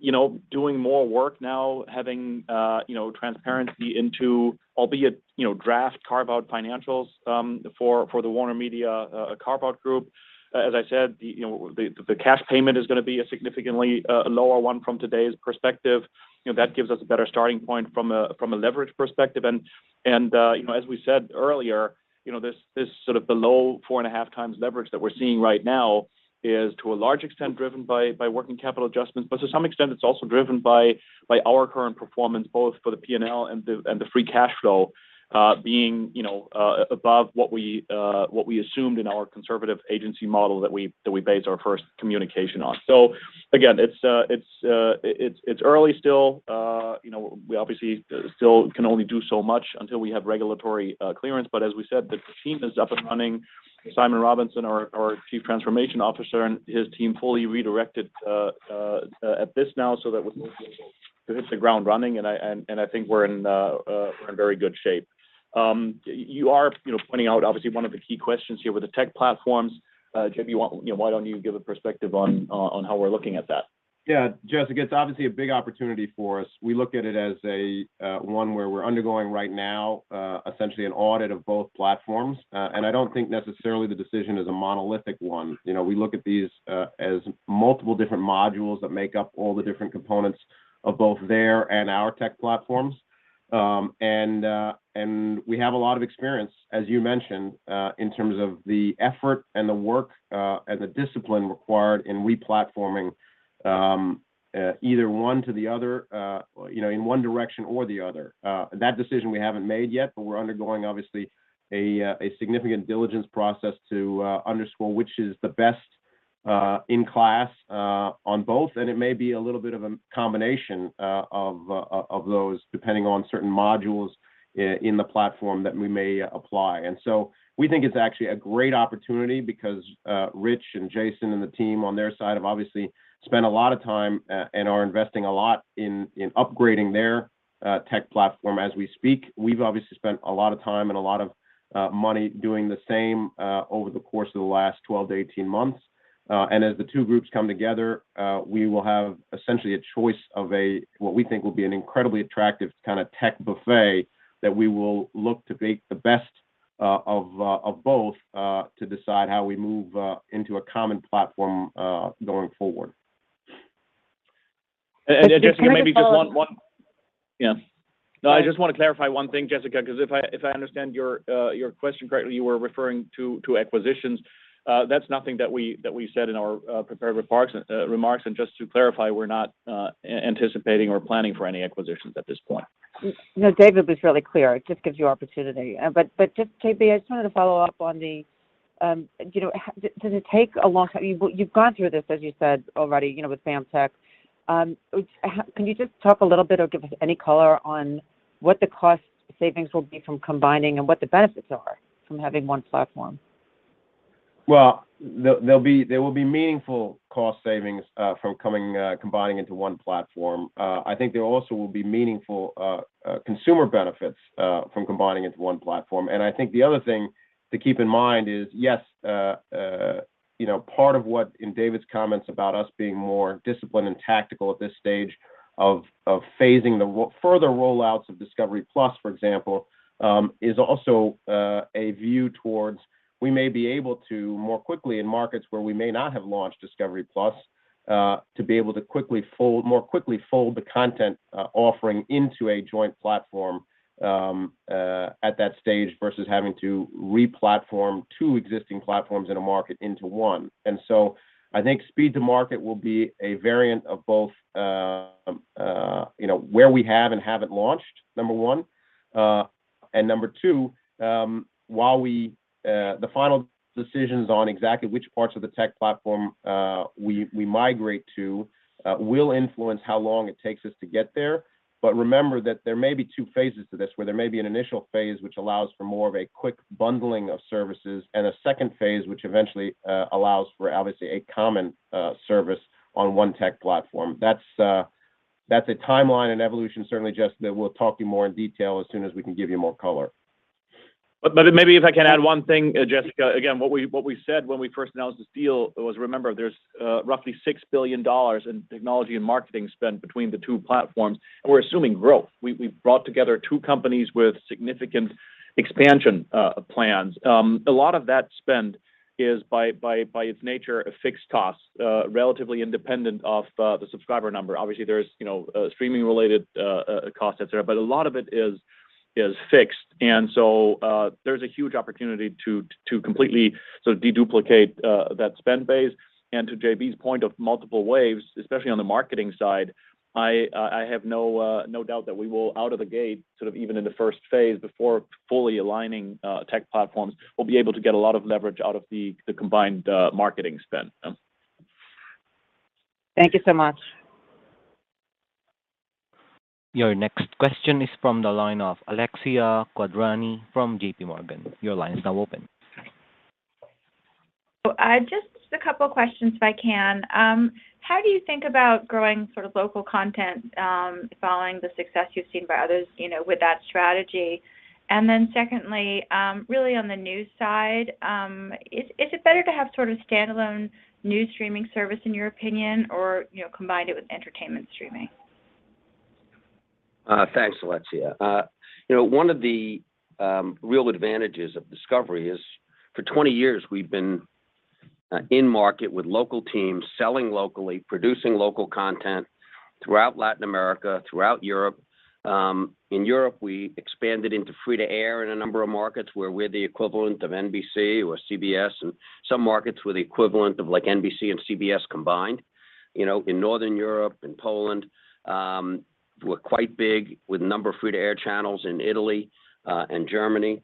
Speaker 4: you know, doing more work now, having, you know, transparency into albeit, you know, draft carve-out financials for the WarnerMedia carve-out group. As I said, the cash payment is gonna be a significantly lower one from today's perspective. You know, that gives us a better starting point from a leverage perspective. As we said earlier, you know, this sort of below 4.5x leverage that we're seeing right now is, to a large extent, driven by working capital adjustments. To some extent, it's also driven by our current performance, both for the P&L and the free cash flow, you know, being above what we assumed in our conservative agency model that we based our first communication on. Again, it's early still. You know, we obviously still can only do so much until we have regulatory clearance. As we said, the team is up and running. Simon Robinson, our Chief Transformation Officer, and his team fully redirected at this now so that we'll be able to hit the ground running, and I think we're in very good shape. You are, you know, pointing out obviously one of the key questions here with the tech platforms. JB, why, you know, why don't you give a perspective on how we're looking at that?
Speaker 8: Yeah. Jessica, it's obviously a big opportunity for us. We look at it as a one where we're undergoing right now essentially an audit of both platforms. I don't think necessarily the decision is a monolithic one. You know, we look at these as multiple different modules that make up all the different components of both their and our tech platforms. We have a lot of experience, as you mentioned, in terms of the effort and the work and the discipline required in re-platforming either one to the other, you know, in one direction or the other. That decision we haven't made yet, but we're undergoing obviously a significant diligence process to underscore which is the best in class on both, and it may be a little bit of a combination of those depending on certain modules in the platform that we may apply. We think it's actually a great opportunity because Rich and Jason and the team on their side have obviously spent a lot of time and are investing a lot in upgrading their tech platform as we speak. We've obviously spent a lot of time and a lot of money doing the same over the course of the last 12 to 18 months. As the two groups come together, we will have essentially a choice of a what we think will be an incredibly attractive kinda tech buffet that we will look to bake the best of both to decide how we move into a common platform going forward.
Speaker 4: Jessica, maybe just one.
Speaker 7: If you could follow up.
Speaker 4: Yeah. No, I just wanna clarify one thing, Jessica, 'cause if I understand your question correctly, you were referring to acquisitions. That's nothing that we said in our prepared remarks. Just to clarify, we're not anticipating or planning for any acquisitions at this point.
Speaker 7: No, David was really clear. It just gives you opportunity. Just JB, I just wanted to follow up on the, you know, does it take a long time? You've gone through this, as you said already, you know, with BAMTech. Can you just talk a little bit or give us any color on what the cost savings will be from combining and what the benefits are from having one platform?
Speaker 8: Well, there will be meaningful cost savings from combining into one platform. I think there also will be meaningful consumer benefits from combining into one platform. I think the other thing to keep in mind is, you know, part of what in David's comments about us being more disciplined and tactical at this stage of phasing further rollouts of discovery+, for example, is also a view towards we may be able to more quickly in markets where we may not have launched discovery+, to be able to more quickly fold the content offering into a joint platform at that stage versus having to re-platform two existing platforms in a market into one. I think speed to market will be a variant of both, you know, where we have and haven't launched, number one. Number two, while we the final decisions on exactly which parts of the tech platform we migrate to will influence how long it takes us to get there. Remember that there may be two phases to this, where there may be an initial phase which allows for more of a quick bundling of services, and a second phase which eventually allows for obviously a common service on one tech platform. That's a timeline and evolution certainly, Jessica, that we'll talk to you more in detail as soon as we can give you more color.
Speaker 4: Maybe if I can add one thing, Jessica. Again, what we said when we first announced this deal was, remember, there's roughly $6 billion in technology and marketing spend between the two platforms, and we're assuming growth. We've brought together two companies with significant expansion plans. A lot of that spend is by its nature, a fixed cost, relatively independent of the subscriber number. Obviously, there's you know, streaming related costs et cetera. But a lot of it is fixed. There's a huge opportunity to completely sort of deduplicate that spend base. To JB's point of multiple waves, especially on the marketing side, I have no doubt that we will out of the gate, sort of even in the first phase before fully aligning tech platforms, we'll be able to get a lot of leverage out of the combined marketing spend.
Speaker 7: Thank you so much.
Speaker 1: Your next question is from the line of Alexia Quadrani from JPMorgan. Your line is now open.
Speaker 9: Just a couple of questions if I can. How do you think about growing sort of local content, following the success you've seen by others, you know, with that strategy? Secondly, really on the news side, is it better to have sort of standalone news streaming service in your opinion or, you know, combine it with entertainment streaming?
Speaker 3: Thanks, Alexia. You know, one of the real advantages of Discovery is for 20 years we've been in market with local teams selling locally, producing local content throughout Latin America, throughout Europe. In Europe, we expanded into free-to-air in a number of markets where we're the equivalent of NBC or CBS, and some markets we're the equivalent of like NBC and CBS combined. You know, in Northern Europe and Poland, we're quite big with a number of free-to-air channels in Italy and Germany.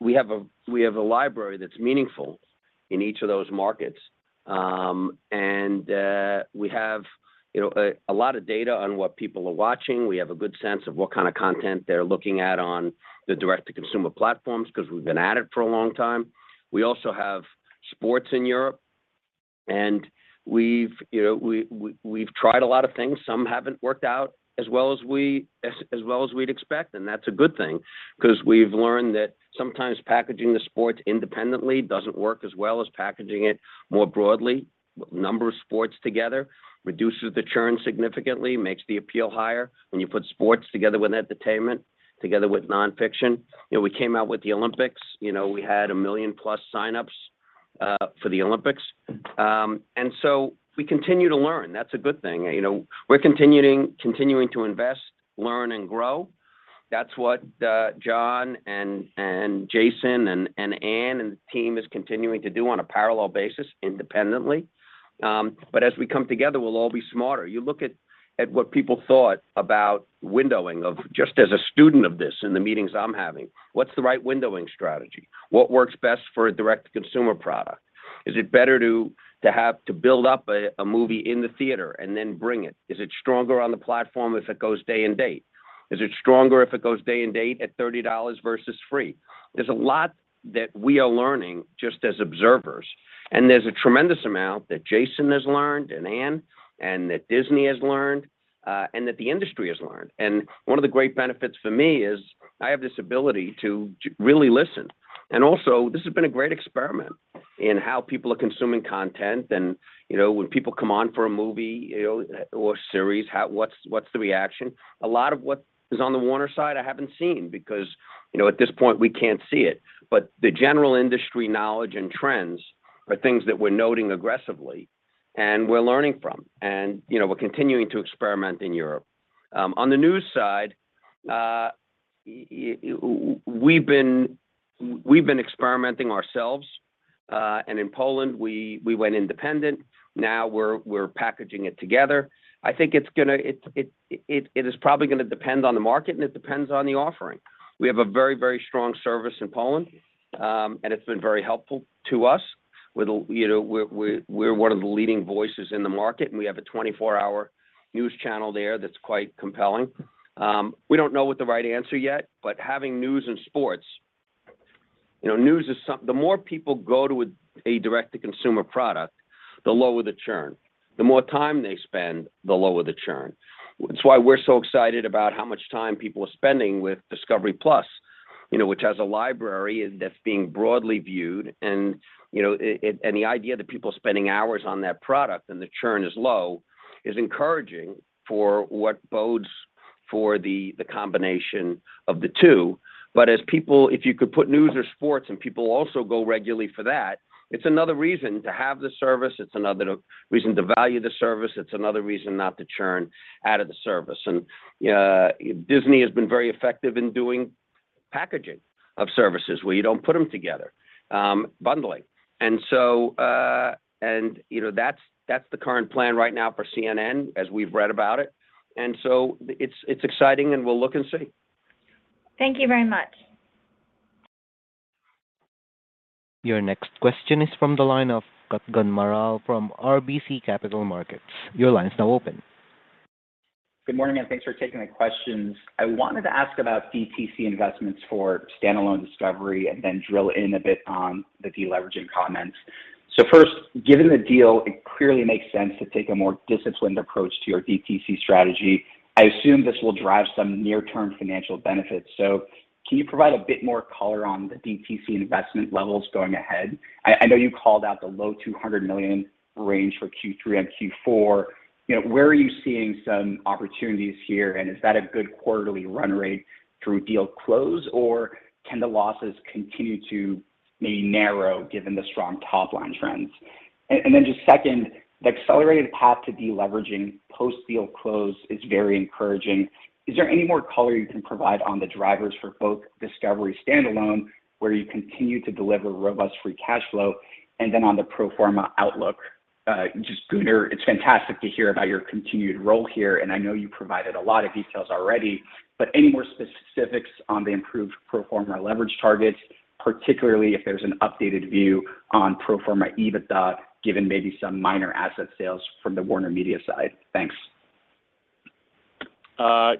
Speaker 3: We have a library that's meaningful in each of those markets. We have, you know, a lot of data on what people are watching. We have a good sense of what kind of content they're looking at on the direct-to-consumer platforms because we've been at it for a long time. We also have sports in Europe, and we've tried a lot of things. Some haven't worked out as well as we'd expect, and that's a good thing because we've learned that sometimes packaging the sport independently doesn't work as well as packaging it more broadly. A number of sports together reduces the churn significantly, makes the appeal higher when you put sports together with entertainment, together with nonfiction. We came out with the Olympics. We had 1 million-plus signups for the Olympics. We continue to learn. That's a good thing. We're continuing to invest, learn and grow. That's what John and Jason and Anne and the team is continuing to do on a parallel basis independently. As we come together, we'll all be smarter. You look at what people thought about windowing, just as a student of this in the meetings I'm having. What's the right windowing strategy? What works best for a direct-to-consumer product? Is it better to have to build up a movie in the theater and then bring it? Is it stronger on the platform if it goes day-and-date? Is it stronger if it goes day-and-date at $30 versus free? There's a lot that we are learning just as observers, and there's a tremendous amount that Jason has learned, and Anne, and that Disney has learned, and that the industry has learned. One of the great benefits for me is I have this ability to really listen. Also, this has been a great experiment in how people are consuming content. You know, when people come on for a movie, you know, or series, what's the reaction? A lot of what is on the Warner side, I haven't seen because, you know, at this point we can't see it. The general industry knowledge and trends are things that we're noting aggressively and we're learning from. You know, we're continuing to experiment in Europe. On the news side, we've been experimenting ourselves. In Poland, we went independent. Now we're packaging it together. I think it's gonna. It is probably gonna depend on the market, and it depends on the offering. We have a very strong service in Poland, and it's been very helpful to us. We're you know, we're one of the leading voices in the market, and we have a 24-hour news channel there that's quite compelling. We don't know what the right answer yet, but having news and sports, you know, the more people go to a direct-to-consumer product, the lower the churn. The more time they spend, the lower the churn. That's why we're so excited about how much time people are spending with discovery+, you know, which has a library that's being broadly viewed. The idea that people spending hours on that product and the churn is low is encouraging for what bodes for the combination of the two. If you could put news or sports and people also go regularly for that, it's another reason to have the service. It's another reason to value the service. It's another reason not to churn out of the service. Disney has been very effective in doing packaging of services where you don't put them together, bundling. You know, that's the current plan right now for CNN as we've read about it. It's exciting, and we'll look and see.
Speaker 9: Thank you very much.
Speaker 1: Your next question is from the line of Kutgun Maral from RBC Capital Markets. Your line is now open.
Speaker 10: Good morning, and thanks for taking the questions. I wanted to ask about DTC investments for standalone Discovery and then drill in a bit on the deleveraging comments. First, given the deal, it clearly makes sense to take a more disciplined approach to your DTC strategy. I assume this will drive some near-term financial benefits. Can you provide a bit more color on the DTC investment levels going ahead? I know you called out the low $200 million range for Q3 and Q4. You know, where are you seeing some opportunities here? Is that a good quarterly run rate through deal close, or can the losses continue to maybe narrow given the strong top-line trends? Just second, the accelerated path to deleveraging post-deal close is very encouraging. Is there any more color you can provide on the drivers for both Discovery standalone, where you continue to deliver robust free cash flow, and then on the pro forma outlook? Just Gunnar, it's fantastic to hear about your continued role here, and I know you provided a lot of details already, but any more specifics on the improved pro forma leverage targets, particularly if there's an updated view on pro forma EBITDA, given maybe some minor asset sales from the WarnerMedia side? Thanks.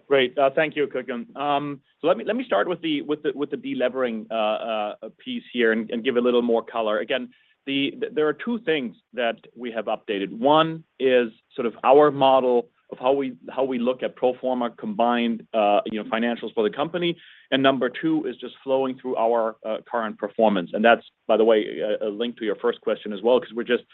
Speaker 4: Great. Thank you, Kutgun. Let me start with the delevering piece here and give a little more color. Again, there are two things that we have updated. One is sort of our model of how we look at pro forma combined, you know, financials for the company. Number two is just flowing through our current performance. That's, by the way, a link to your first question as well, because we're just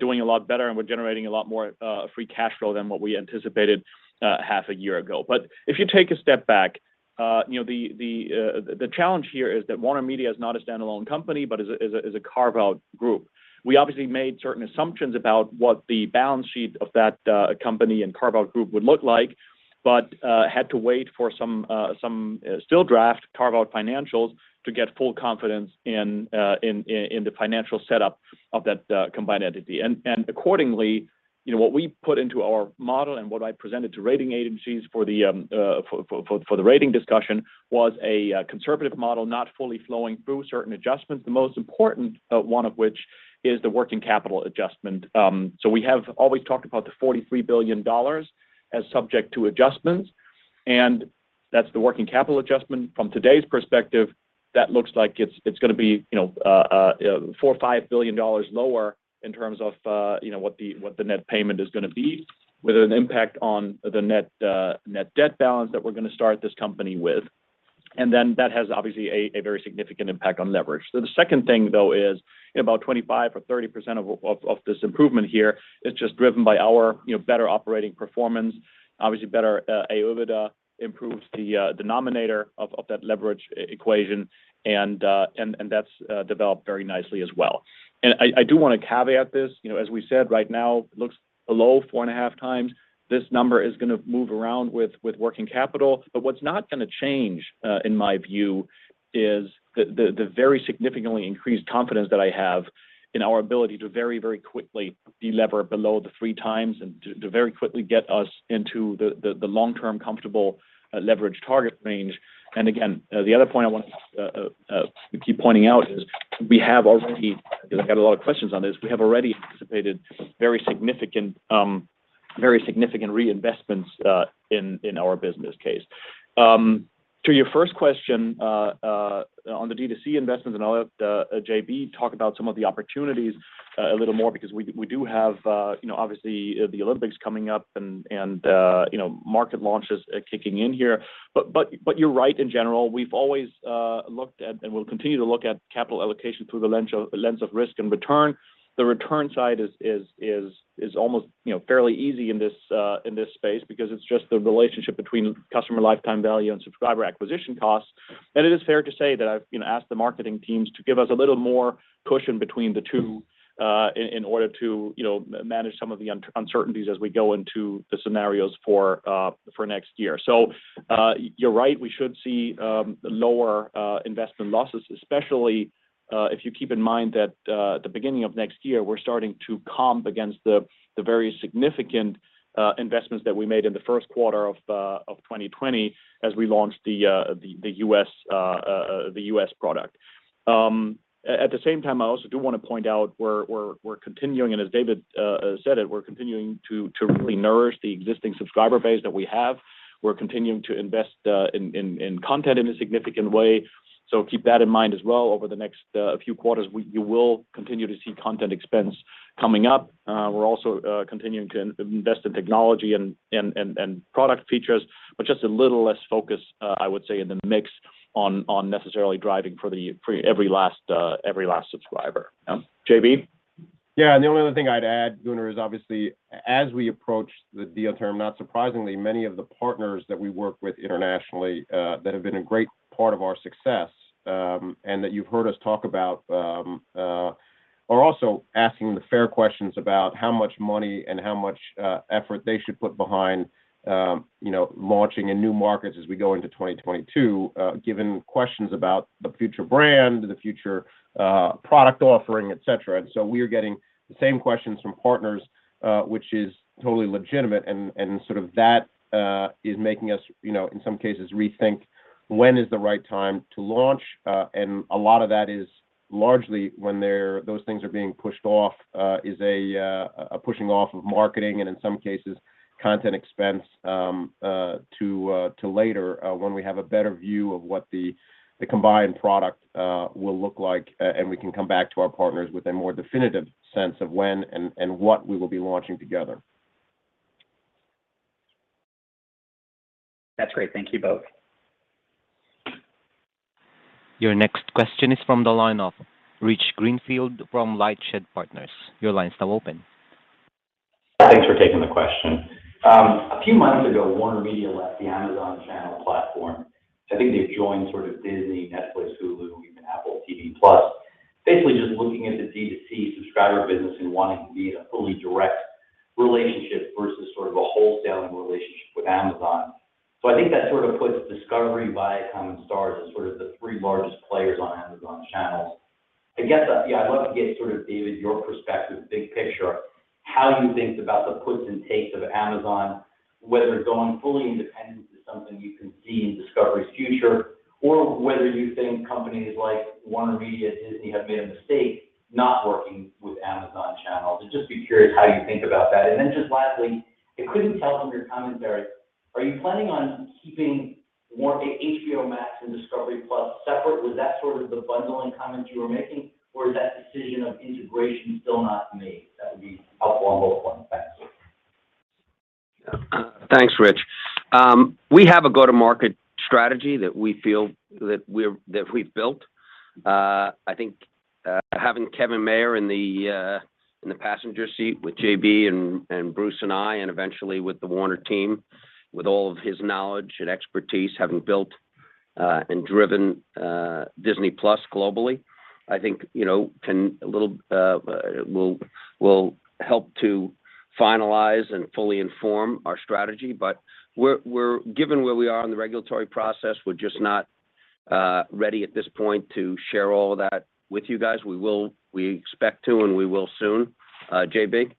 Speaker 4: doing a lot better, and we're generating a lot more free cash flow than what we anticipated half a year ago. If you take a step back, you know, the challenge here is that WarnerMedia is not a standalone company but is a carve-out group. We obviously made certain assumptions about what the balance sheet of that company and carve-out group would look like but had to wait for some still draft carve-out financials to get full confidence in the financial setup of that combined entity. Accordingly, you know, what we put into our model and what I presented to rating agencies for the rating discussion was a conservative model not fully flowing through certain adjustments, the most important one of which is the working capital adjustment. We have always talked about the $43 billion as subject to adjustments, and that's the working capital adjustment. From today's perspective, that looks like it's gonna be, you know, $4 billion-$5 billion lower in terms of, you know, what the net payment is gonna be with an impact on the net debt balance that we're gonna start this company with. Then that has obviously a very significant impact on leverage. The second thing, though, is, you know, about 25% or 30% of this improvement here is just driven by our, you know, better operating performance, obviously better AOIBDA improves the denominator of that leverage equation, and that's developed very nicely as well. I do wanna caveat this. You know, as we said, right now looks below 4.5x. This number is gonna move around with working capital. What's not gonna change in my view is the very significantly increased confidence that I have in our ability to very, very quickly delever below the 3x and to very quickly get us into the long-term comfortable leverage target range. Again, the other point I want to keep pointing out is we have already, because I've got a lot of questions on this, we have already anticipated very significant reinvestments in our business case. To your first question on the D2C investments, and I'll let JB talk about some of the opportunities a little more because we do have, you know, obviously, the Olympics coming up and, you know, market launches kicking in here. You're right in general. We've always looked at, and we'll continue to look at capital allocation through the lens of risk and return. The return side is almost, you know, fairly easy in this space because it's just the relationship between customer lifetime value and subscriber acquisition costs. It is fair to say that I've, you know, asked the marketing teams to give us a little more cushion between the two in order to, you know, manage some of the uncertainties as we go into the scenarios for next year. You're right. We should see lower investment losses, especially if you keep in mind that at the beginning of next year, we're starting to comp against the very significant investments that we made in the first quarter of 2020 as we launched the U.S. product. At the same time, I also do wanna point out we're continuing, and as David said it, we're continuing to really nourish the existing subscriber base that we have. We're continuing to invest in content in a significant way. Keep that in mind as well. Over the next few quarters, you will continue to see content expense coming up. We're also continuing to invest in technology and product features, but just a little less focus, I would say, in the mix on necessarily driving for every last subscriber. JB?
Speaker 8: Yeah. The only other thing I'd add, Gunnar, is obviously as we approach the deal term, not surprisingly, many of the partners that we work with internationally, that have been a great part of our success, and that you've heard us talk about, are also asking the fair questions about how much money and how much effort they should put behind, you know, launching in new markets as we go into 2022, given questions about the future brand, the future product offering, et cetera. We are getting the same questions from partners, which is totally legitimate and sort of that is making us, you know, in some cases rethink when is the right time to launch. A lot of that is largely those things are being pushed off, is a pushing off of marketing and in some cases content expense to later, when we have a better view of what the combined product will look like. We can come back to our partners with a more definitive sense of when and what we will be launching together.
Speaker 10: That's great. Thank you both.
Speaker 1: Your next question is from the line of Rich Greenfield from LightShed Partners. Your line's now open.
Speaker 11: Thanks for taking the question. A few months ago, WarnerMedia left the Amazon Channels platform. I think they've joined sort of Disney, Netflix, Hulu, even Apple TV+. Basically, just looking at the D2C subscriber business and wanting to be in a fully direct relationship versus sort of a wholesaling relationship with Amazon. I think that sort of puts Discovery, Viacom, and Starz as sort of the three largest players on Amazon Channels. I guess, yeah, I'd love to get sort of, David, your perspective, big picture, how you think about the puts and takes of Amazon, whether going fully independent is something you can see in Discovery's future, or whether you think companies like WarnerMedia, Disney have made a mistake not working with Amazon Channels? I'd just be curious how you think about that. Just lastly, I couldn't tell from your commentary, are you planning on keeping Warner HBO Max and discovery+ separate? Was that sort of the bundling comment you were making, or is that decision of integration still not made? That would be helpful on both lines. Thanks.
Speaker 3: Thanks, Rich. We have a go-to-market strategy that we feel we've built. I think having Kevin Mayer in the passenger seat with JB and Bruce and I, and eventually with the Warner team, with all of his knowledge and expertise, having built and driven Disney+ globally, I think, you know, will help to finalize and fully inform our strategy. Given where we are in the regulatory process, we're just not ready at this point to share all that with you guys. We will. We expect to, and we will soon. JB?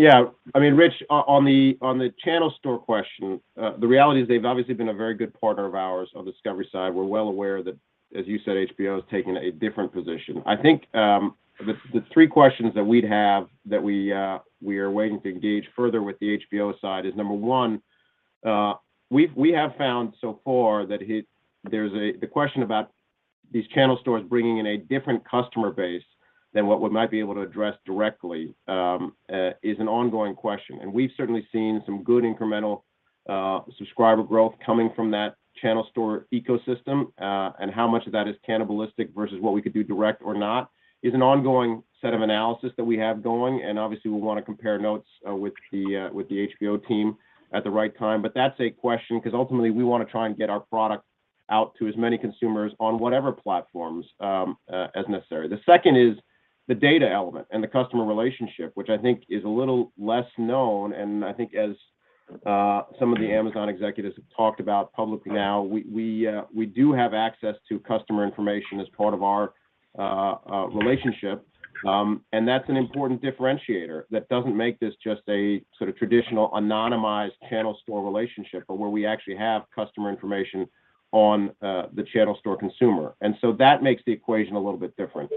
Speaker 8: Yeah. I mean, Rich, on the channel store question, the reality is they've obviously been a very good partner of ours on Discovery side. We're well aware that, as you said, HBO is taking a different position. I think, the three questions that we'd have that we are waiting to engage further with the HBO side is, number one, we have found so far that there's the question about these channel stores bringing in a different customer base than what we might be able to address directly, is an ongoing question. We've certainly seen some good incremental subscriber growth coming from that channel store ecosystem, and how much of that is cannibalistic versus what we could do direct or not is an ongoing set of analysis that we have going. Obviously, we wanna compare notes with the HBO team at the right time. That's a question, 'cause ultimately we wanna try and get our product out to as many consumers on whatever platforms as necessary. The second is the data element and the customer relationship, which I think is a little less known. I think as some of the Amazon executives have talked about publicly now, we do have access to customer information as part of our relationship. That's an important differentiator that doesn't make this just a sort of traditional anonymized channel store relationship, but where we actually have customer information on the channel store consumer. That makes the equation a little bit different.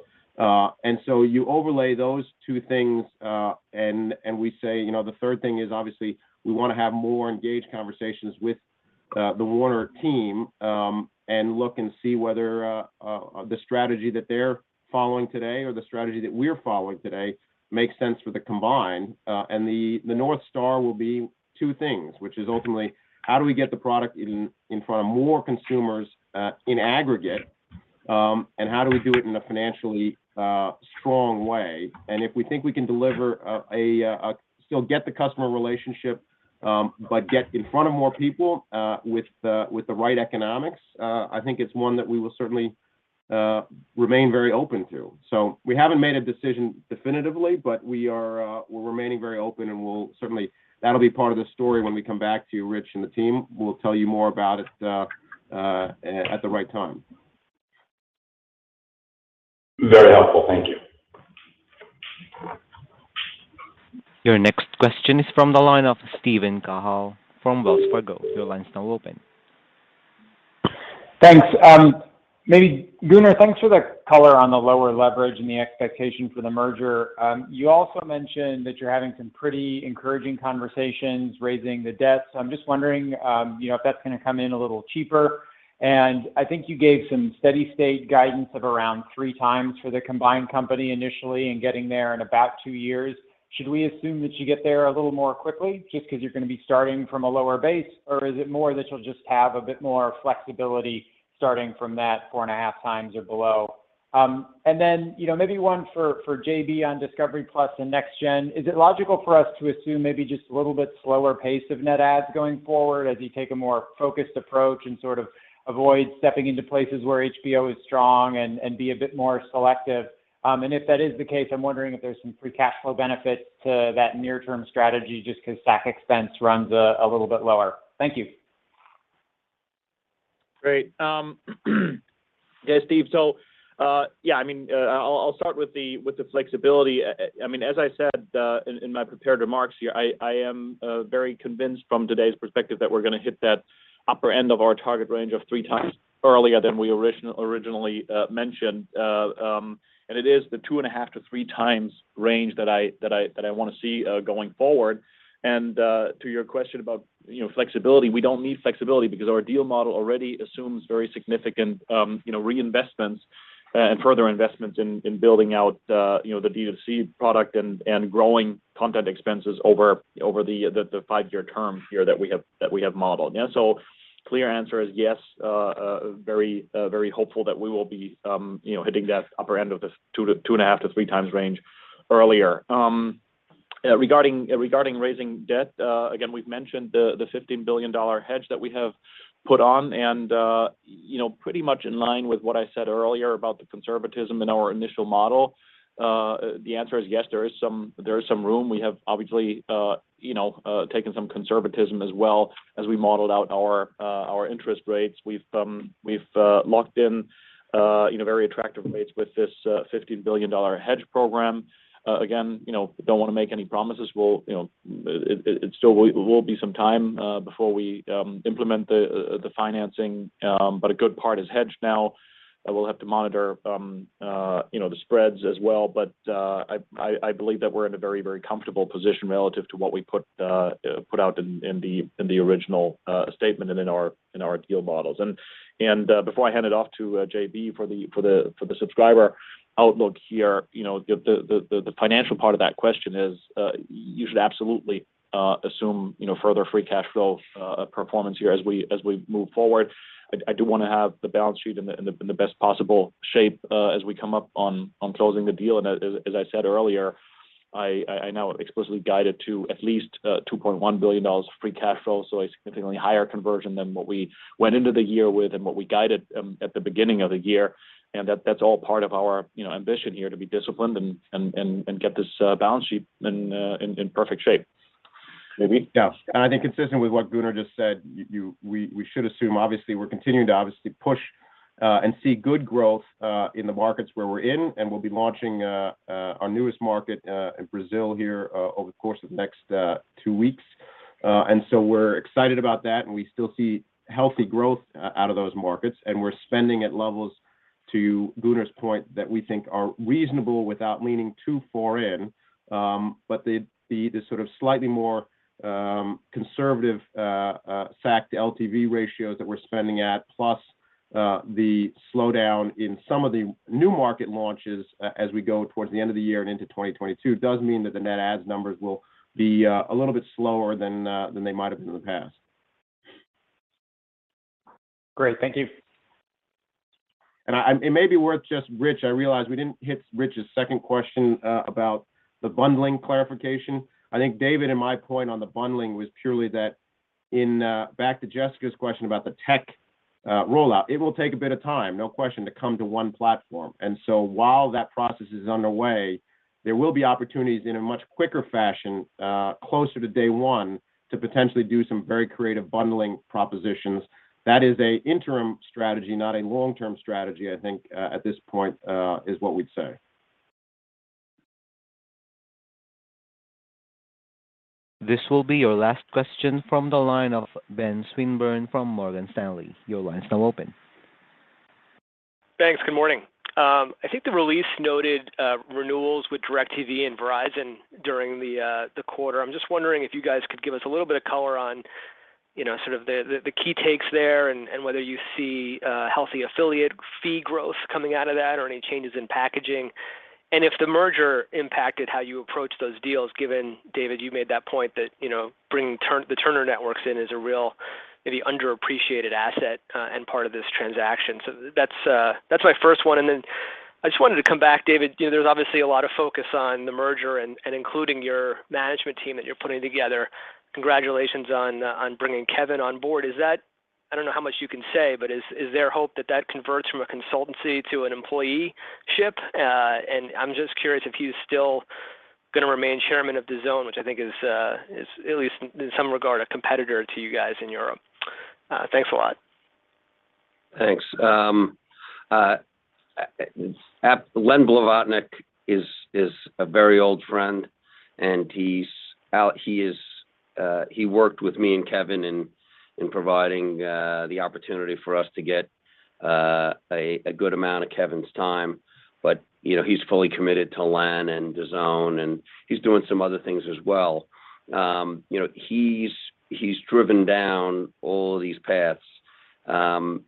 Speaker 8: You overlay those two things. We say, you know, the third thing is obviously we wanna have more engaged conversations with the Warner team and look and see whether the strategy that they're following today or the strategy that we're following today makes sense for the combined. The North Star will be two things, which is ultimately how do we get the product in front of more consumers in aggregate and how do we do it in a financially strong way? If we think we can deliver still get the customer relationship but get in front of more people with the right economics, I think it's one that we will certainly remain very open to. We haven't made a decision definitively, but we are, we're remaining very open, and we'll certainly. That'll be part of the story when we come back to you, Rich and the team. We'll tell you more about it at the right time.
Speaker 11: Very helpful. Thank you.
Speaker 1: Your next question is from the line of Steven Cahall from Wells Fargo. Your line's now open.
Speaker 12: Thanks. Maybe, Gunnar, thanks for the color on the lower leverage and the expectation for the merger. You also mentioned that you're having some pretty encouraging conversations raising the debt. So I'm just wondering, you know, if that's gonna come in a little cheaper. I think you gave some steady state guidance of around 3x for the combined company initially and getting there in about two years. Should we assume that you get there a little more quickly just 'cause you're gonna be starting from a lower base, or is it more that you'll just have a bit more flexibility starting from that 4.5x or below? And then, you know, maybe one for JB on discovery+ and NextGen. Is it logical for us to assume maybe just a little bit slower pace of net adds going forward as you take a more focused approach and sort of avoid stepping into places where HBO is strong and be a bit more selective? If that is the case, I'm wondering if there's some free cash flow benefit to that near-term strategy just 'cause SAC expense runs a little bit lower. Thank you.
Speaker 4: Great. Yeah, Steve. I'll start with the flexibility. I mean, as I said, in my prepared remarks here, I am very convinced from today's perspective that we're gonna hit that upper end of our target range of 3x earlier than we originally mentioned. It is the 2.5x-3x range that I wanna see going forward. To your question about, you know, flexibility, we don't need flexibility because our deal model already assumes very significant, you know, reinvestments and further investments in building out, you know, the D2C product and growing content expenses over the five-year term here that we have modeled. Clear answer is yes. Very hopeful that we will be, you know, hitting that upper end of this 2.5x-3x range earlier. Regarding raising debt, again, we've mentioned the $15 billion hedge that we have put on. You know, pretty much in line with what I said earlier about the conservatism in our initial model, the answer is yes, there is some room. We have obviously, you know, taken some conservatism as well as we modeled out our interest rates. We've locked in, you know, very attractive rates with this $15 billion hedge program. Again, you know, don't want to make any promises. It still will be some time before we implement the financing, but a good part is hedged now. We'll have to monitor, you know, the spreads as well. But I believe that we're in a very comfortable position relative to what we put out in the original statement and in our deal models. Before I hand it off to JB for the subscriber outlook here, you know, the financial part of that question is, you should absolutely assume, you know, further free cash flow performance here as we move forward. I do want to have the balance sheet in the best possible shape as we come up on closing the deal. As I said earlier, I now explicitly guide it to at least $2.1 billion of free cash flow, so a significantly higher conversion than what we went into the year with and what we guided at the beginning of the year. That’s all part of our ambition here to be disciplined and get this balance sheet in perfect shape. JB?
Speaker 8: Yeah. I think consistent with what Gunnar just said, we should assume obviously we're continuing to obviously push and see good growth in the markets where we're in, and we'll be launching our newest market in Brazil here over the course of the next two weeks. We're excited about that, and we still see healthy growth out of those markets. We're spending at levels, to Gunnar's point, that we think are reasonable without leaning too far in. The sort of slightly more conservative fact LTV ratios that we're spending at, plus the slowdown in some of the new market launches as we go towards the end of the year and into 2022 does mean that the net adds numbers will be a little bit slower than they might have been in the past.
Speaker 12: Great. Thank you.
Speaker 8: It may be worth just Rich. I realize we didn't hit Rich's second question about the bundling clarification. I think David and my point on the bundling was purely that in, back to Jessica's question about the tech rollout, it will take a bit of time, no question, to come to one platform. While that process is underway, there will be opportunities in a much quicker fashion, closer to day one to potentially do some very creative bundling propositions. That is an interim strategy, not a long-term strategy, I think, at this point, is what we'd say.
Speaker 1: This will be your last question from the line of Ben Swinburne from Morgan Stanley. Your line is now open.
Speaker 13: Thanks. Good morning. I think the release noted renewals with DirecTV and Verizon during the quarter. I'm just wondering if you guys could give us a little bit of color on, you know, sort of the key takes there and whether you see healthy affiliate fee growth coming out of that or any changes in packaging. If the merger impacted how you approach those deals, given, David, you made that point that, you know, bringing the Turner networks in is a real, maybe underappreciated asset and part of this transaction. That's my first one. I just wanted to come back, David. You know, there's obviously a lot of focus on the merger and including your management team that you're putting together. Congratulations on bringing Kevin on board. Is that... I don't know how much you can say, but is there hope that that converts from a consultancy to an employeeship? I'm just curious if he's still going to remain Chairman of DAZN, which I think is at least in some regard, a competitor to you guys in Europe. Thanks a lot.
Speaker 3: Thanks. Len Blavatnik is a very old friend, and he worked with me and Kevin Mayer in providing the opportunity for us to get a good amount of Kevin Mayer's time. You know, he's fully committed to Len and DAZN, and he's doing some other things as well. You know, he's driven down all these paths, and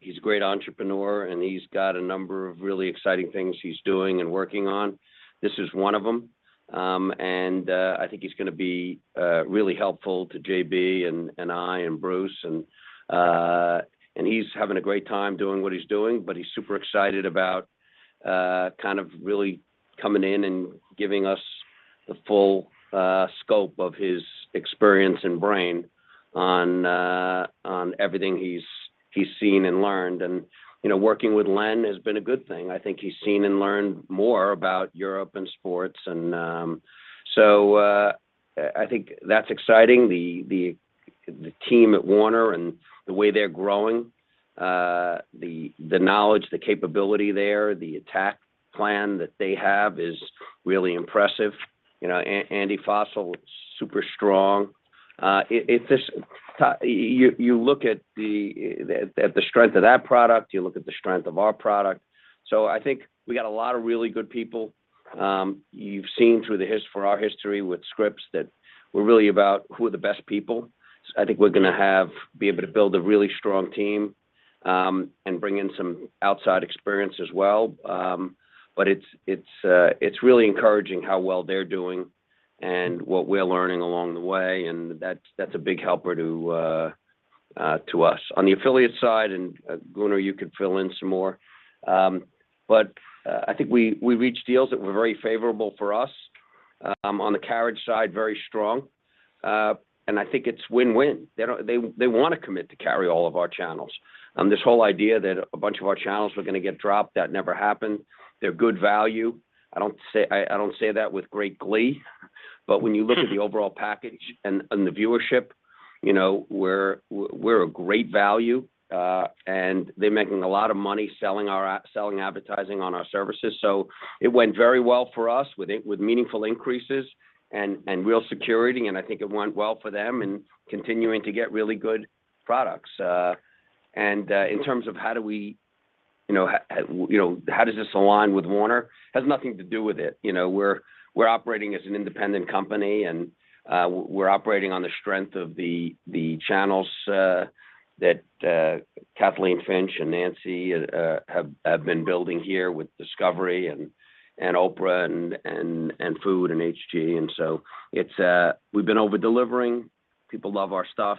Speaker 3: he's a great entrepreneur, and he's got a number of really exciting things he's doing and working on. This is one of them. I think he's gonna be really helpful to JB Perrette and I and Bruce Campbell. He's having a great time doing what he's doing, but he's super excited about kind of really coming in and giving us the full scope of his experience and brain on everything he's seen and learned. You know, working with Len has been a good thing. I think he's seen and learned more about Europe and sports. I think that's exciting. The team at Warner and the way they're growing, the knowledge, the capability there, the attack plan that they have is really impressive. You know, Andy Forssell, super strong. You look at the strength of that product, you look at the strength of our product. I think we got a lot of really good people. You've seen through our history with Scripps that we're really about who are the best people. I think we're gonna be able to build a really strong team, and bring in some outside experience as well. It's really encouraging how well they're doing. What we're learning along the way, and that's a big help to us. On the affiliate side, Gunnar, you could fill in some more. I think we reached deals that were very favorable for us. On the carriage side, very strong. I think it's win-win. They wanna commit to carry all of our channels. This whole idea that a bunch of our channels were gonna get dropped, that never happened. They're good value. I don't say that with great glee. When you look at the overall package and the viewership, you know, we're a great value, and they're making a lot of money selling advertising on our services. It went very well for us with meaningful increases and real security, and I think it went well for them in continuing to get really good products. In terms of how do we, you know, how does this align with Warner? Has nothing to do with it. You know, we're operating as an independent company, and we're operating on the strength of the channels that Kathleen Finch and Nancy have been building here with Discovery and Oprah and Food and HGTV. It's we've been over-delivering. People love our stuff.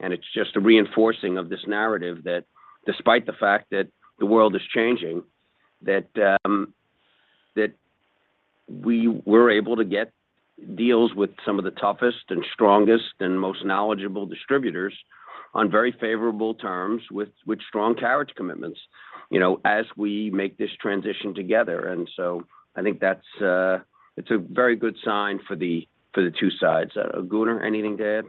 Speaker 3: It's just a reinforcing of this narrative that despite the fact that the world is changing, that we were able to get deals with some of the toughest and strongest and most knowledgeable distributors on very favorable terms with strong carriage commitments, you know, as we make this transition together. I think that's it's a very good sign for the two sides. Gunnar, anything to add?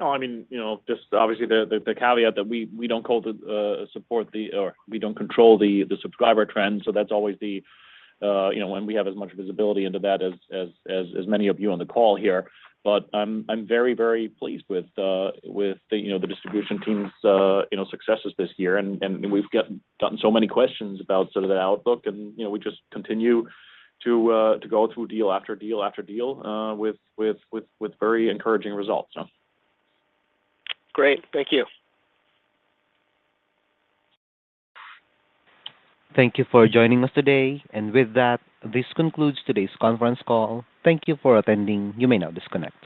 Speaker 4: No, I mean, you know, just obviously the caveat that we don't control the subscriber trends, so that's always, you know, when we have as much visibility into that as many of you on the call here. I'm very pleased with, you know, the distribution team's, you know, successes this year. We've gotten so many questions about sort of the outlook and, you know, we just continue to go through deal after deal after deal with very encouraging results, so.
Speaker 13: Great. Thank you.
Speaker 1: Thank you for joining us today. With that, this concludes today's conference call. Thank you for attending. You may now disconnect.